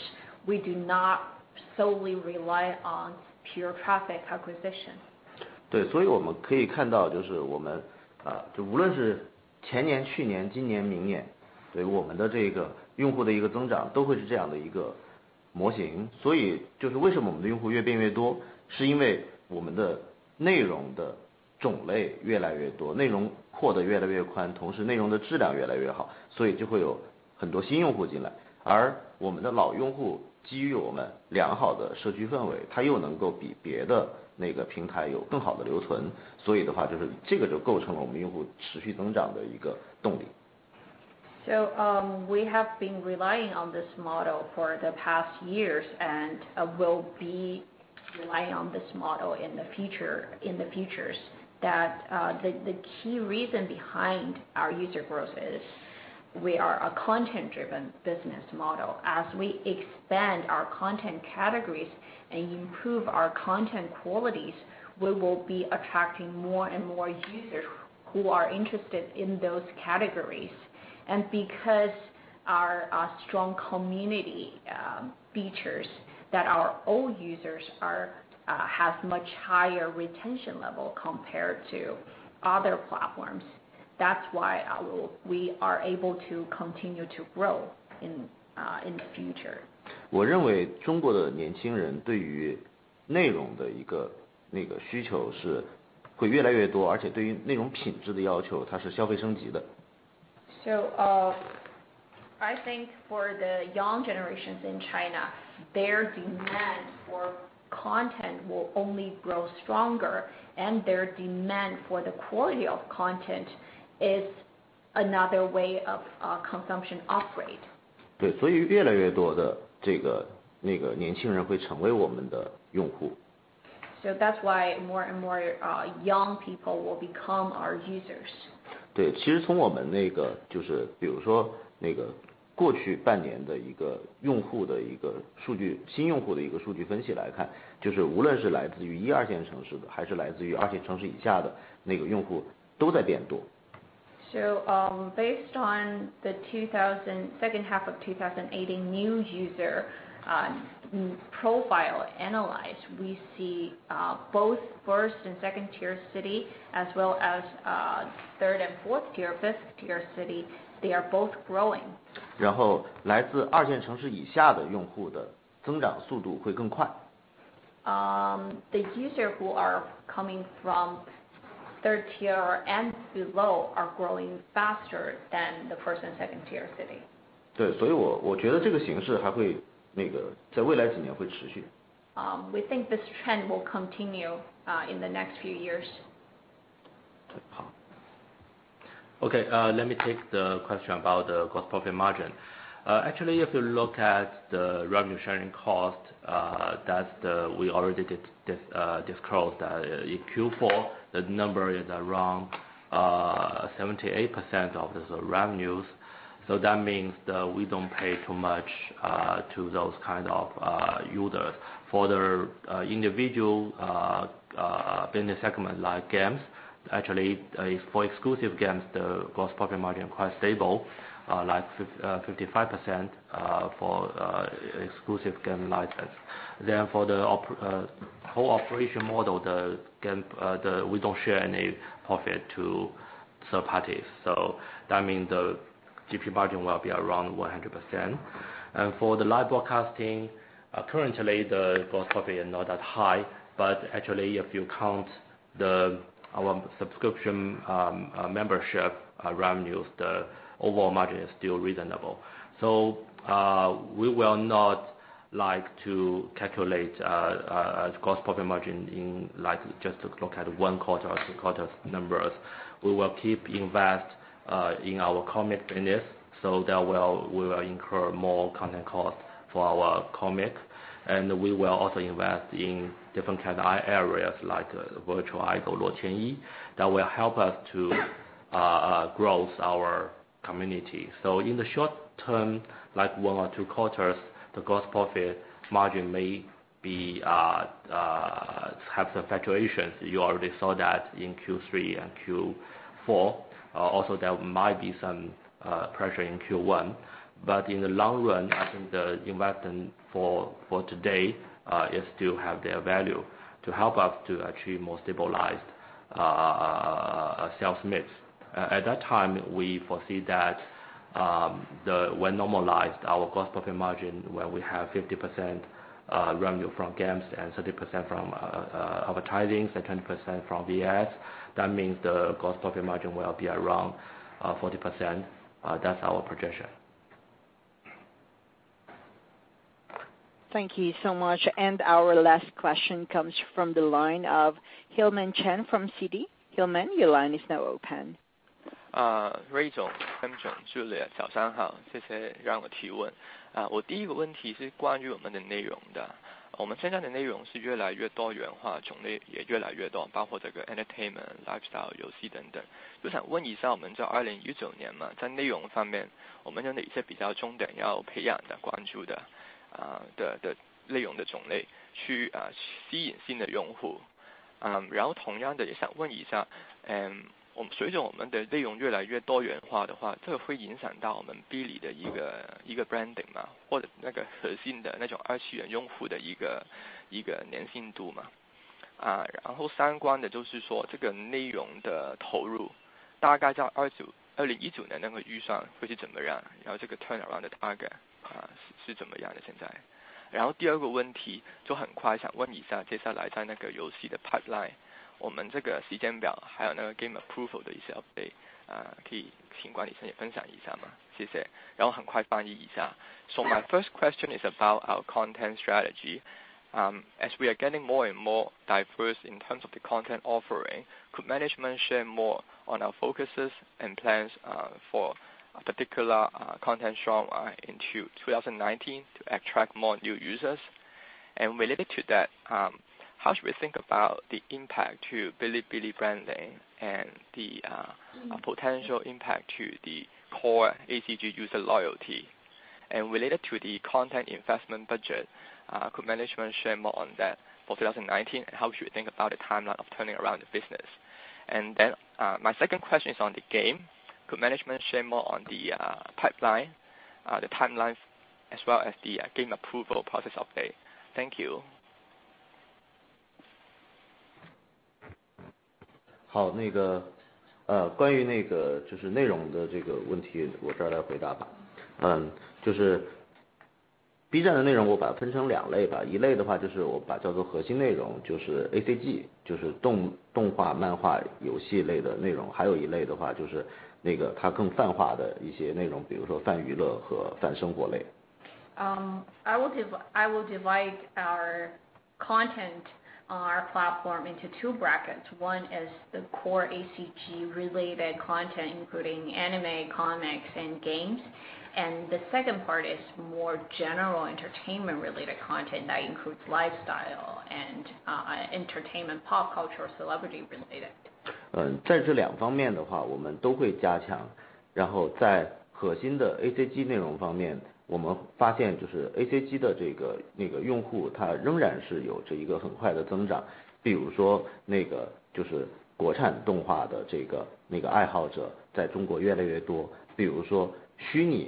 We do not solely rely on pure traffic acquisition. 对，所以我们可以看到，无论是前年、去年、今年、明年，对我们的用户的增长都会是这样的一个模型。所以为什么我们的用户越变越多？是因为我们的内容的种类越来越多，内容阔的越来越宽，同时内容的质量越来越好，所以就会有很多新用户进来。而我们的老用户基于我们良好的社区氛围，他又能够比别的平台有更好的留存，所以这个就构成了我们用户持续增长的一个动力。We have been relying on this model for the past years and will rely on this model in the future. The key reason behind our user growth is we are a content-driven business model. As we expand our content categories and improve our content qualities, we will be attracting more and users who are interested in those categories. Because our strong community features that our old users have much higher retention level compared to other platforms. That's why we are able to continue to grow in the future. I think for the young generations in China, their demand for content will only grow stronger, and their demand for the quality of content is another way of consumption upgrade. That's why more and more young people will become our users. Based on the second half of 2018 new user profile analyzed, we see both first and second-tier city as well as third and fourth tier, fifth tier city, they are both growing. The users who are coming from third tier and below are growing faster than the first and second-tier city. We think this trend will continue in the next few years. Okay, let me take the question about the gross profit margin. Actually, if you look at the revenue sharing cost, that we already disclosed that in Q4, the number is around 78% of the revenues. That means that we don't pay too much to those kind of users. For the individual business segment like games, actually, for exclusive games, the gross profit margin quite stable, like 55% for exclusive game licensed. For the whole operation model, we don't share any profit to third parties. That means the GP margin will be around 100%. For the live broadcasting, currently, the gross profit is not that high, but actually, if you count our subscription membership revenues, the overall margin is still reasonable. We will not like to calculate gross profit margin in just looking at one quarter or two quarters numbers. We will keep investing in our comic business, that will incur more content cost for our comic. We will also invest in different kind of areas like virtual idol Luo Tianyi, that will help us to grow our community. In the short term, like one or two quarters, the gross profit margin may have some fluctuations. You already saw that in Q3 and Q4. Also, there might be some pressure in Q1. In the long run, I think the investment for today still have their value to help us to achieve more stabilized sales mix. At that time, we foresee that when normalized our gross profit margin, where we have 50% revenue from games and 30% from advertising and 10% from VAS, that means the gross profit margin will be around 40%. That's our projection. Thank you so much. Our last question comes from the line of Hillman Chan from Citi. Hillman, your line is now open. entertainment、lifestyle，等等。我想问一下，我们在2019年嘛，在内容方面，我们有哪一些比较重点要培养的关注的内容的种类，去吸引新的用户。然后同样的也想问一下，随着我们的内容越来越多元化的话，这会影响到我们B里的一个branding吗？或者那个核心的那种20亿用户的一个粘性度吗？然后相关的就是说这个内容的投入，大概在2019年那个预算会是怎么样，然后这个turnaround的target是怎么样的现在。然后第二个问题，就很快想问一下，接下来在那个游戏的pipeline，我们这个时间表，还有那个game approval的一些update，可以请管理层也分享一下吗？谢谢。然后很快翻译一下。So my first question is about our content strategy. As we are getting more and more diverse in terms of the content offering, could management share more on our focuses and plans for a particular content genre into 2019 to attract more new users? Related to that, how should we think about the impact to Bilibili branding and the potential impact to the core ACG user loyalty? Related to the content investment budget, could management share more on that for 2019? How should we think about the timeline of turning around the business? My second question is on the game. Could management share more on the pipeline, the timelines, as well as the game approval process update? Thank you. 关于内容的问题，我这儿来回答。B站的内容我把它分成两类，一类我叫做核心内容，就是ACG，就是动画、漫画、游戏类的内容。还有一类是更泛化的一些内容，比如说泛娱乐和泛生活类。I will divide our content on our platform into two brackets. One is the core ACG-related content, including anime, comics, and games. The second part is more general entertainment-related content that includes lifestyle and entertainment, pop culture, celebrity related. 在这两方面我们都会加强。在核心的ACG内容方面，我们发现ACG的用户仍然是有着一个很快的增长。比如说国产动画的爱好者在中国越来越多；虚拟UP主的爱好者也越来越多；电竞正成为越来越流行的一个全民的爱好。Okay.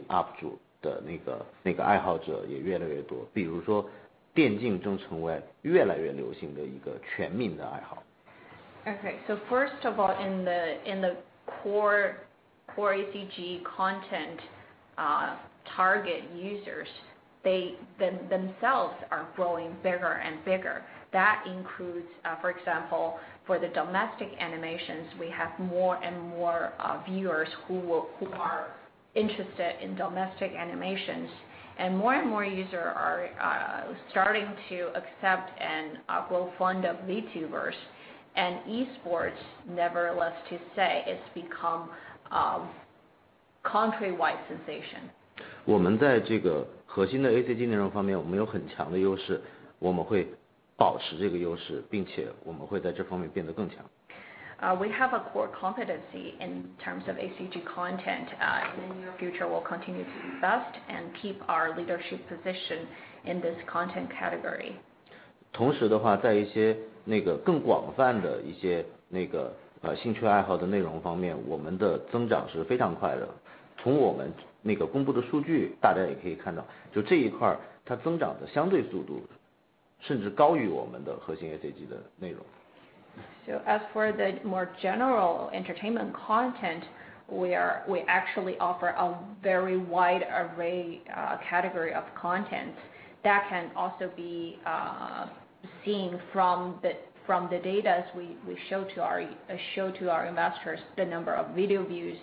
First of all, in the core ACG content target users, they themselves are growing bigger and bigger. That includes, for example, for the domestic animations, we have more and more viewers who are interested in domestic animations, and more and more users are starting to accept and grow fond of YouTubers. Esports, nevertheless to say, it's become a country-wide sensation. 我们在核心的ACG内容方面我们有很强的优势，我们会保持这个优势，并且我们会在这方面变得更强。We have a core competency in terms of ACG content. In the near future, we'll continue to invest and keep our leadership position in this content category. 同时在一些更广泛的一些兴趣爱好的内容方面，我们的增长是非常快的。从我们公布的数据大家也可以看到，这一块它增长的相对速度甚至高于我们的核心ACG的内容。As for the more general entertainment content, we actually offer a very wide array category of content that can also be seen from the data we show to our investors, the number of video views.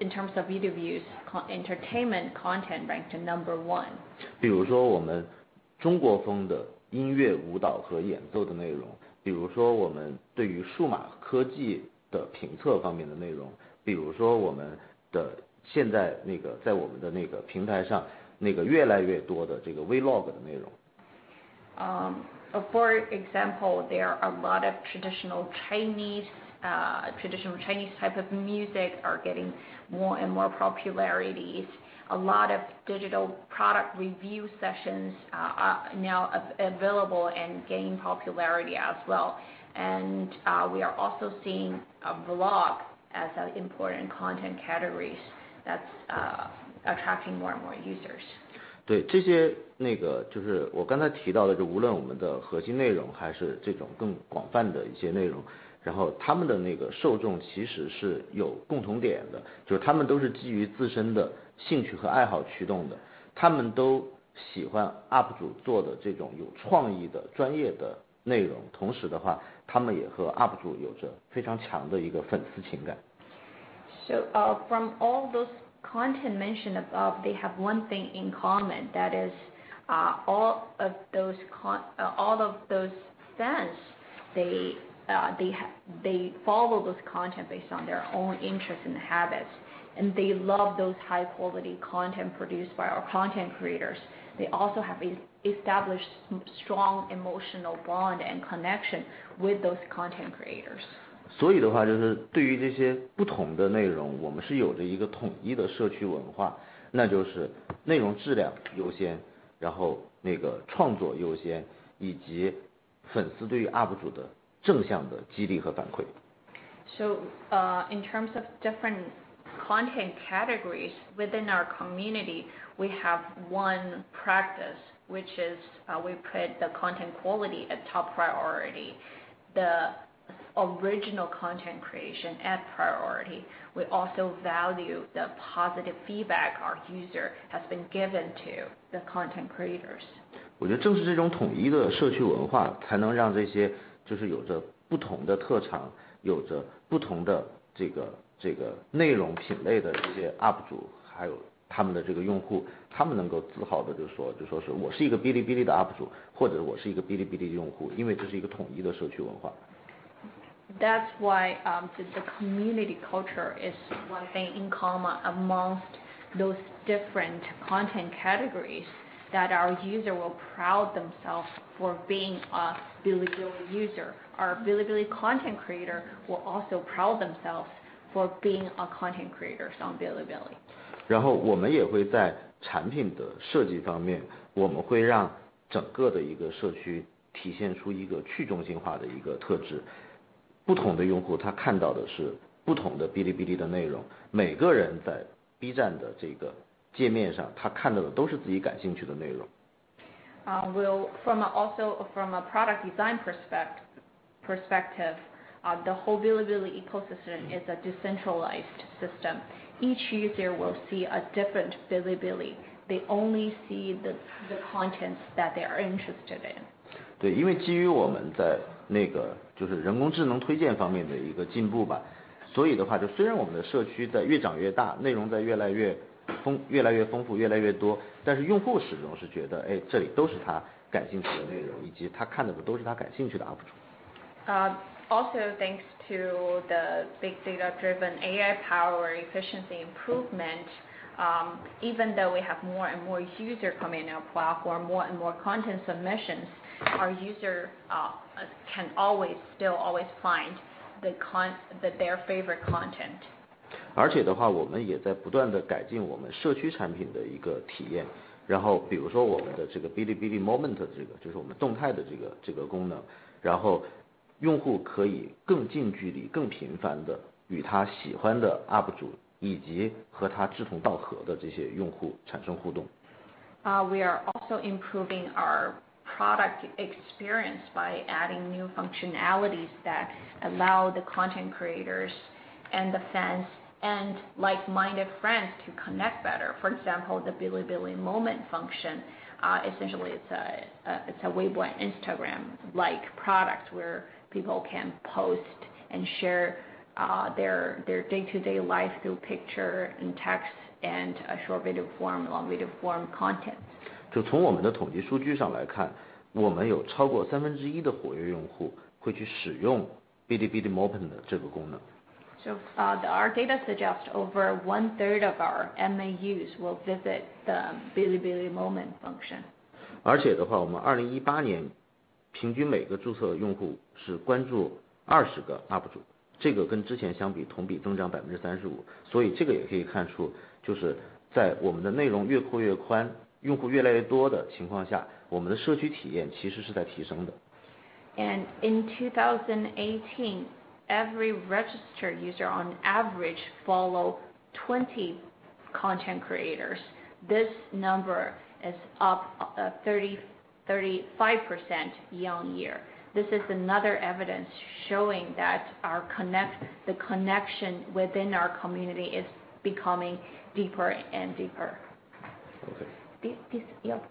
In terms of video views, entertainment content ranked number one. 比如说我们中国风的音乐、舞蹈和演奏的内容，比如说我们对于数码科技的评测方面的内容，比如说现在在我们的平台上越来越多的vlog的内容。For example, there are a lot of traditional Chinese type of music are getting more and more popularity. A lot of digital product review sessions are now available and gaining popularity as well. We are also seeing vlog as an important content category that's attracting more and more users. 我刚才提到的，无论我们的核心内容还是这种更广泛的一些内容，它们的受众其实是有共同点的，它们都是基于自身的兴趣和爱好驱动的，它们都喜欢UP主做的这种有创意的、专业的内容，同时它们也和UP主有着非常强的粉丝情感。From all those content mentioned above, they have one thing in common: that is, all of those fans, they follow those content based on their own interests and habits, and they love those high-quality content produced by our content creators. They also have established strong emotional bond and connection with those content creators. 所以对于这些不同的内容，我们是有着一个统一的社区文化，那就是内容质量优先，创作优先，以及粉丝对于UP主的正向的激励和反馈。In terms of different content categories within our community, we have one practice, which is we put the content quality at top priority, the original content creation at priority. We also value the positive feedback our user has been given to the content creators. 我觉得正是这种统一的社区文化，才能让这些有着不同的特长、有着不同的内容品类的这些UP主，还有他们的用户，他们能够自豪地说我是个哔哩哔哩的UP主，或者我是一个哔哩哔哩用户，因为这是一个统一的社区文化。That's why the community culture is one thing in common amongst those different content categories, that our users will pride themselves for being a Bilibili user. Our Bilibili content creators will also pride themselves for being content creators on Bilibili. 然后我们也会在产品的设计方面，会让整个的一个社区体现出一个去中心化的一个特质。不同的用户他看到的是不同的哔哩哔哩的内容，每个人在B站的界面上，他看到的都是自己感兴趣的内容。From a product design perspective, the whole Bilibili ecosystem is a decentralized system. Each user will see a different Bilibili. They only see the content that they are interested in. 对，因为基于我们在人工智能推荐方面的一个进步，虽然我们的社区在越长越大，内容在越来越丰富，越来越多，但是用户始终是觉得，这里都是他感兴趣的内容，以及他看的都是他感兴趣的UP主。Thanks to the big data-driven AI power efficiency improvement, even though we have more and users coming in our platform, more and more content submissions, our users can still always find their favorite content. 而且我们也在不断地改进我们社区产品的一个体验。比如说我们的哔哩哔哩 Moments，就是我们动态的这个功能，用户可以更近距离、更频繁地与他喜欢的UP主以及和他志同道合的这些用户产生互动。We are also improving our product experience by adding new functionalities that allow the content creators and the fans and like-minded friends to connect better. For example, the Bilibili Moments function, essentially it's a Weibo and Instagram-like product where people can post and share their day-to-day life through picture and text and a short video form, long video form content. 从我们的统计数据上来看，我们有超过1/3的活跃用户会去使用哔哩哔哩 Moments的这个功能。Our data suggests over one-third of our MAUs will visit the Bilibili Moment function. 而且我们2018年平均每个注册用户是关注20个UP主，这个跟之前相比同比增长35%。所以这个也可以看出，在我们的内容越扩越宽、用户越来越多的情况下，我们的社区体验其实是在提升的。In 2018, every registered user on average followed 20 content creators. This number is up 35% year-on-year. This is another evidence showing that the connection within our community is becoming deeper and deeper. OK。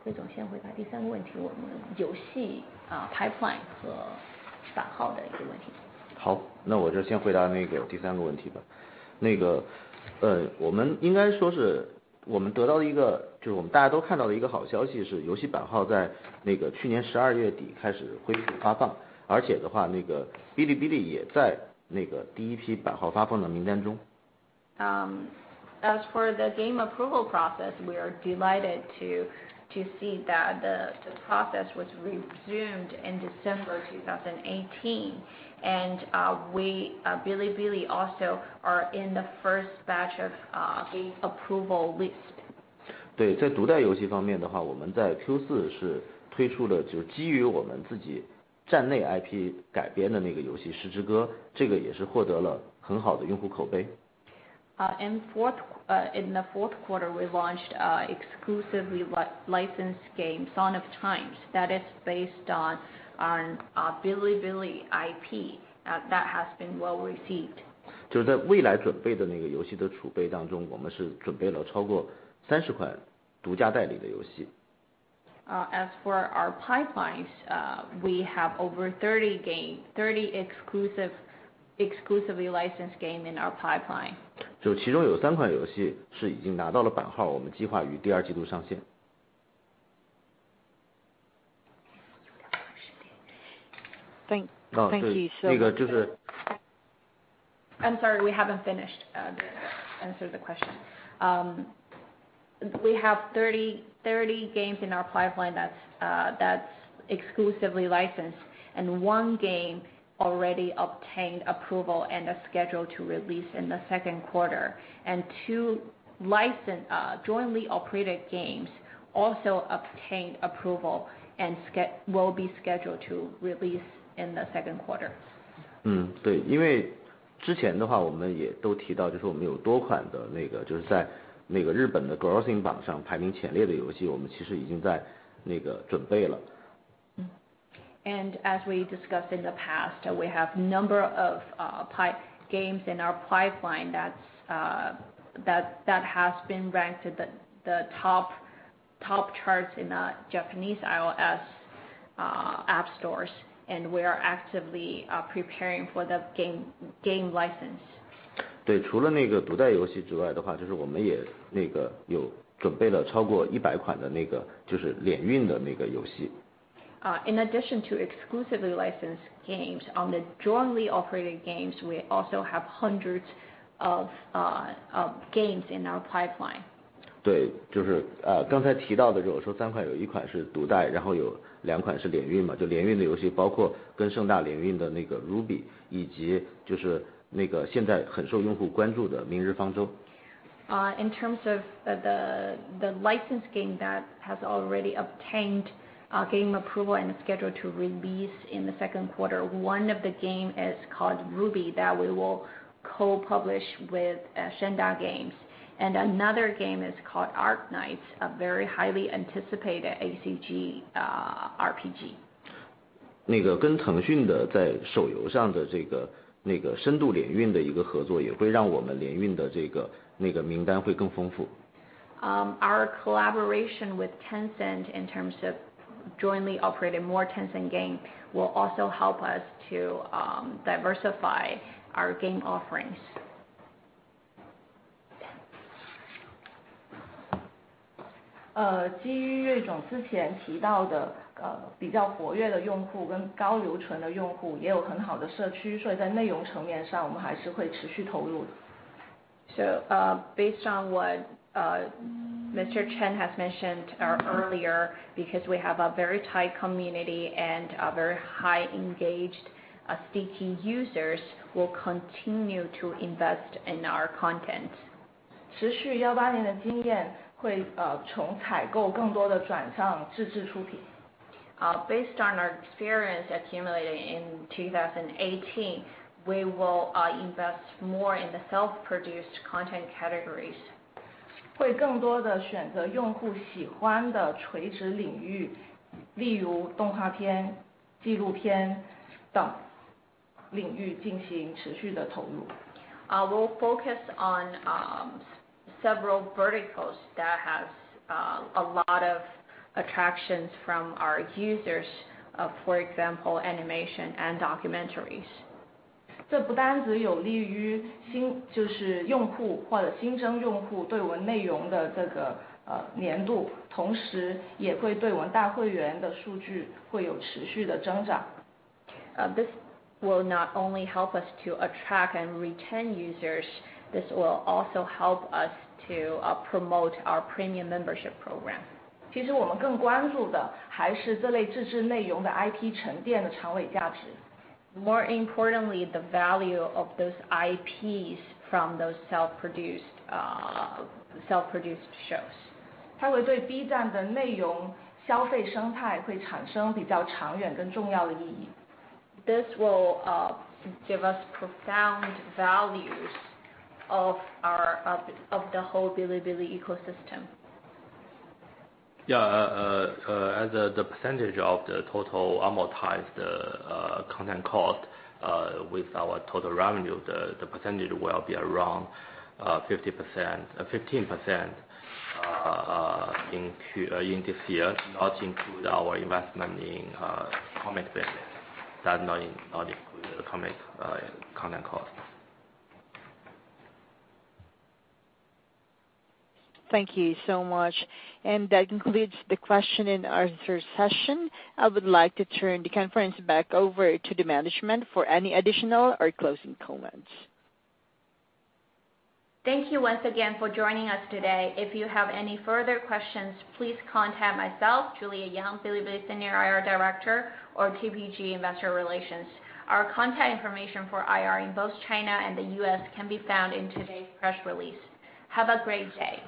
魏总先回答第三个问题，我们游戏pipeline和版号的问题。好，那我就先回答第三个问题吧。我们大家都看到的一个好消息是，游戏版号在去年12月底开始恢复发放，而且哔哩哔哩也在第一批版号发放的名单中。As for the game approval process, we are delighted to see that the process was resumed in December 2018. Bilibili also are in the first batch of the approval list. 对，在独代游戏方面的话，我们在Q4是推出了基于我们自己站内IP改编的那个游戏《时之歌》，这个也是获得了很好的用户口碑。In the fourth quarter, we launched an exclusively licensed game, Song of Time, that is based on our Bilibili IP that has been well received. 在未来准备的那个游戏的储备当中，我们准备了超过30款独家代理的游戏。As for our pipelines, we have over 30 exclusively licensed games in our pipeline. 其中有三款游戏是已经拿到了版号，我们计划于第二季度上线。Thank you. I'm sorry, we haven't finished answering the question. We have 30 games in our pipeline that's exclusively licensed, and one game already obtained approval and is scheduled to release in the second quarter. Two jointly operated games also obtained approval and will be scheduled to release in the second quarter. 对，因为之前我们也都提到，我们有多款的，在日本的grossing榜上排名前列的游戏，我们其实已经在准备了。As we discussed in the past, we have a number of games in our pipeline that have been ranked in the top charts in the Japanese iOS app stores, and we are actively preparing for the game license. 除了独代游戏之外，我们也准备了超过100款的联运游戏。In addition to exclusively licensed games, on the jointly operated games, we also have hundreds of games in our pipeline. 刚才提到的，我说三款，有一款是独代，有两款是联运。联运的游戏包括跟盛大联运的《RWBY》、以及现在很受用户关注的《明日方舟》。In terms of the licensed game that has already obtained game approval and scheduled to release in the second quarter, one of the games is called RWBY, that we will co-publish with Shanda Games. Another game is called Arknights, a very highly anticipated ACG RPG. 跟腾讯在手游上的深度联运的合作，也会让我们联运的名单更丰富。Our collaboration with Tencent in terms of jointly operating more Tencent games, will also help us to diversify our game offerings. 基于瑞总之前提到的比较活跃的用户跟高留存的用户，也有很好的社区，所以在内容层面上我们还是会持续投入的。Based on what Mr. Chen has mentioned earlier, because we have a very tight community and very highly engaged sticky users, we'll continue to invest in our content. 持续18年的经验，会从采购更多地转向自制出品。Based on our experience accumulated in 2018, we will invest more in the self-produced content categories. 会更多地选择用户喜欢的垂直领域，例如动画片、纪录片等领域进行持续的投入。We'll focus on several verticals that have a lot of attractions from our users, for example, animation and documentaries. 这不单止有利于用户或者新增用户对我们内容的黏度，同时也会让大会员的数据有持续的增长。This will not only help us to attract and retain users, this will also help us to promote our premium membership program. 其实我们更关注的还是这类自制内容的IP沉淀的长尾价值。More importantly, the value of those IPs from those self-produced shows. 它会对B站的内容消费生态产生比较长远跟重要的意义。This will give us profound values of the whole Bilibili ecosystem. As a percentage of the total amortized content cost with our total revenue, the percentage will be around 15% in this year, not including our investment in comic business. That does not include the comic content costs. Thank you so much. That concludes the question and answer session. I would like to turn the conference back over to the management for any additional or closing comments. Thank you once again for joining us today. If you have any further questions, please contact myself, Juliet Yang, Bilibili Senior IR Director, or TPG Investor Relations. Our contact information for IR in both China and the U.S. can be found in today's press release. Have a great day.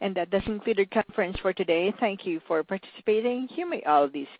That does conclude our conference for today. Thank you for participating. You may all disconnect.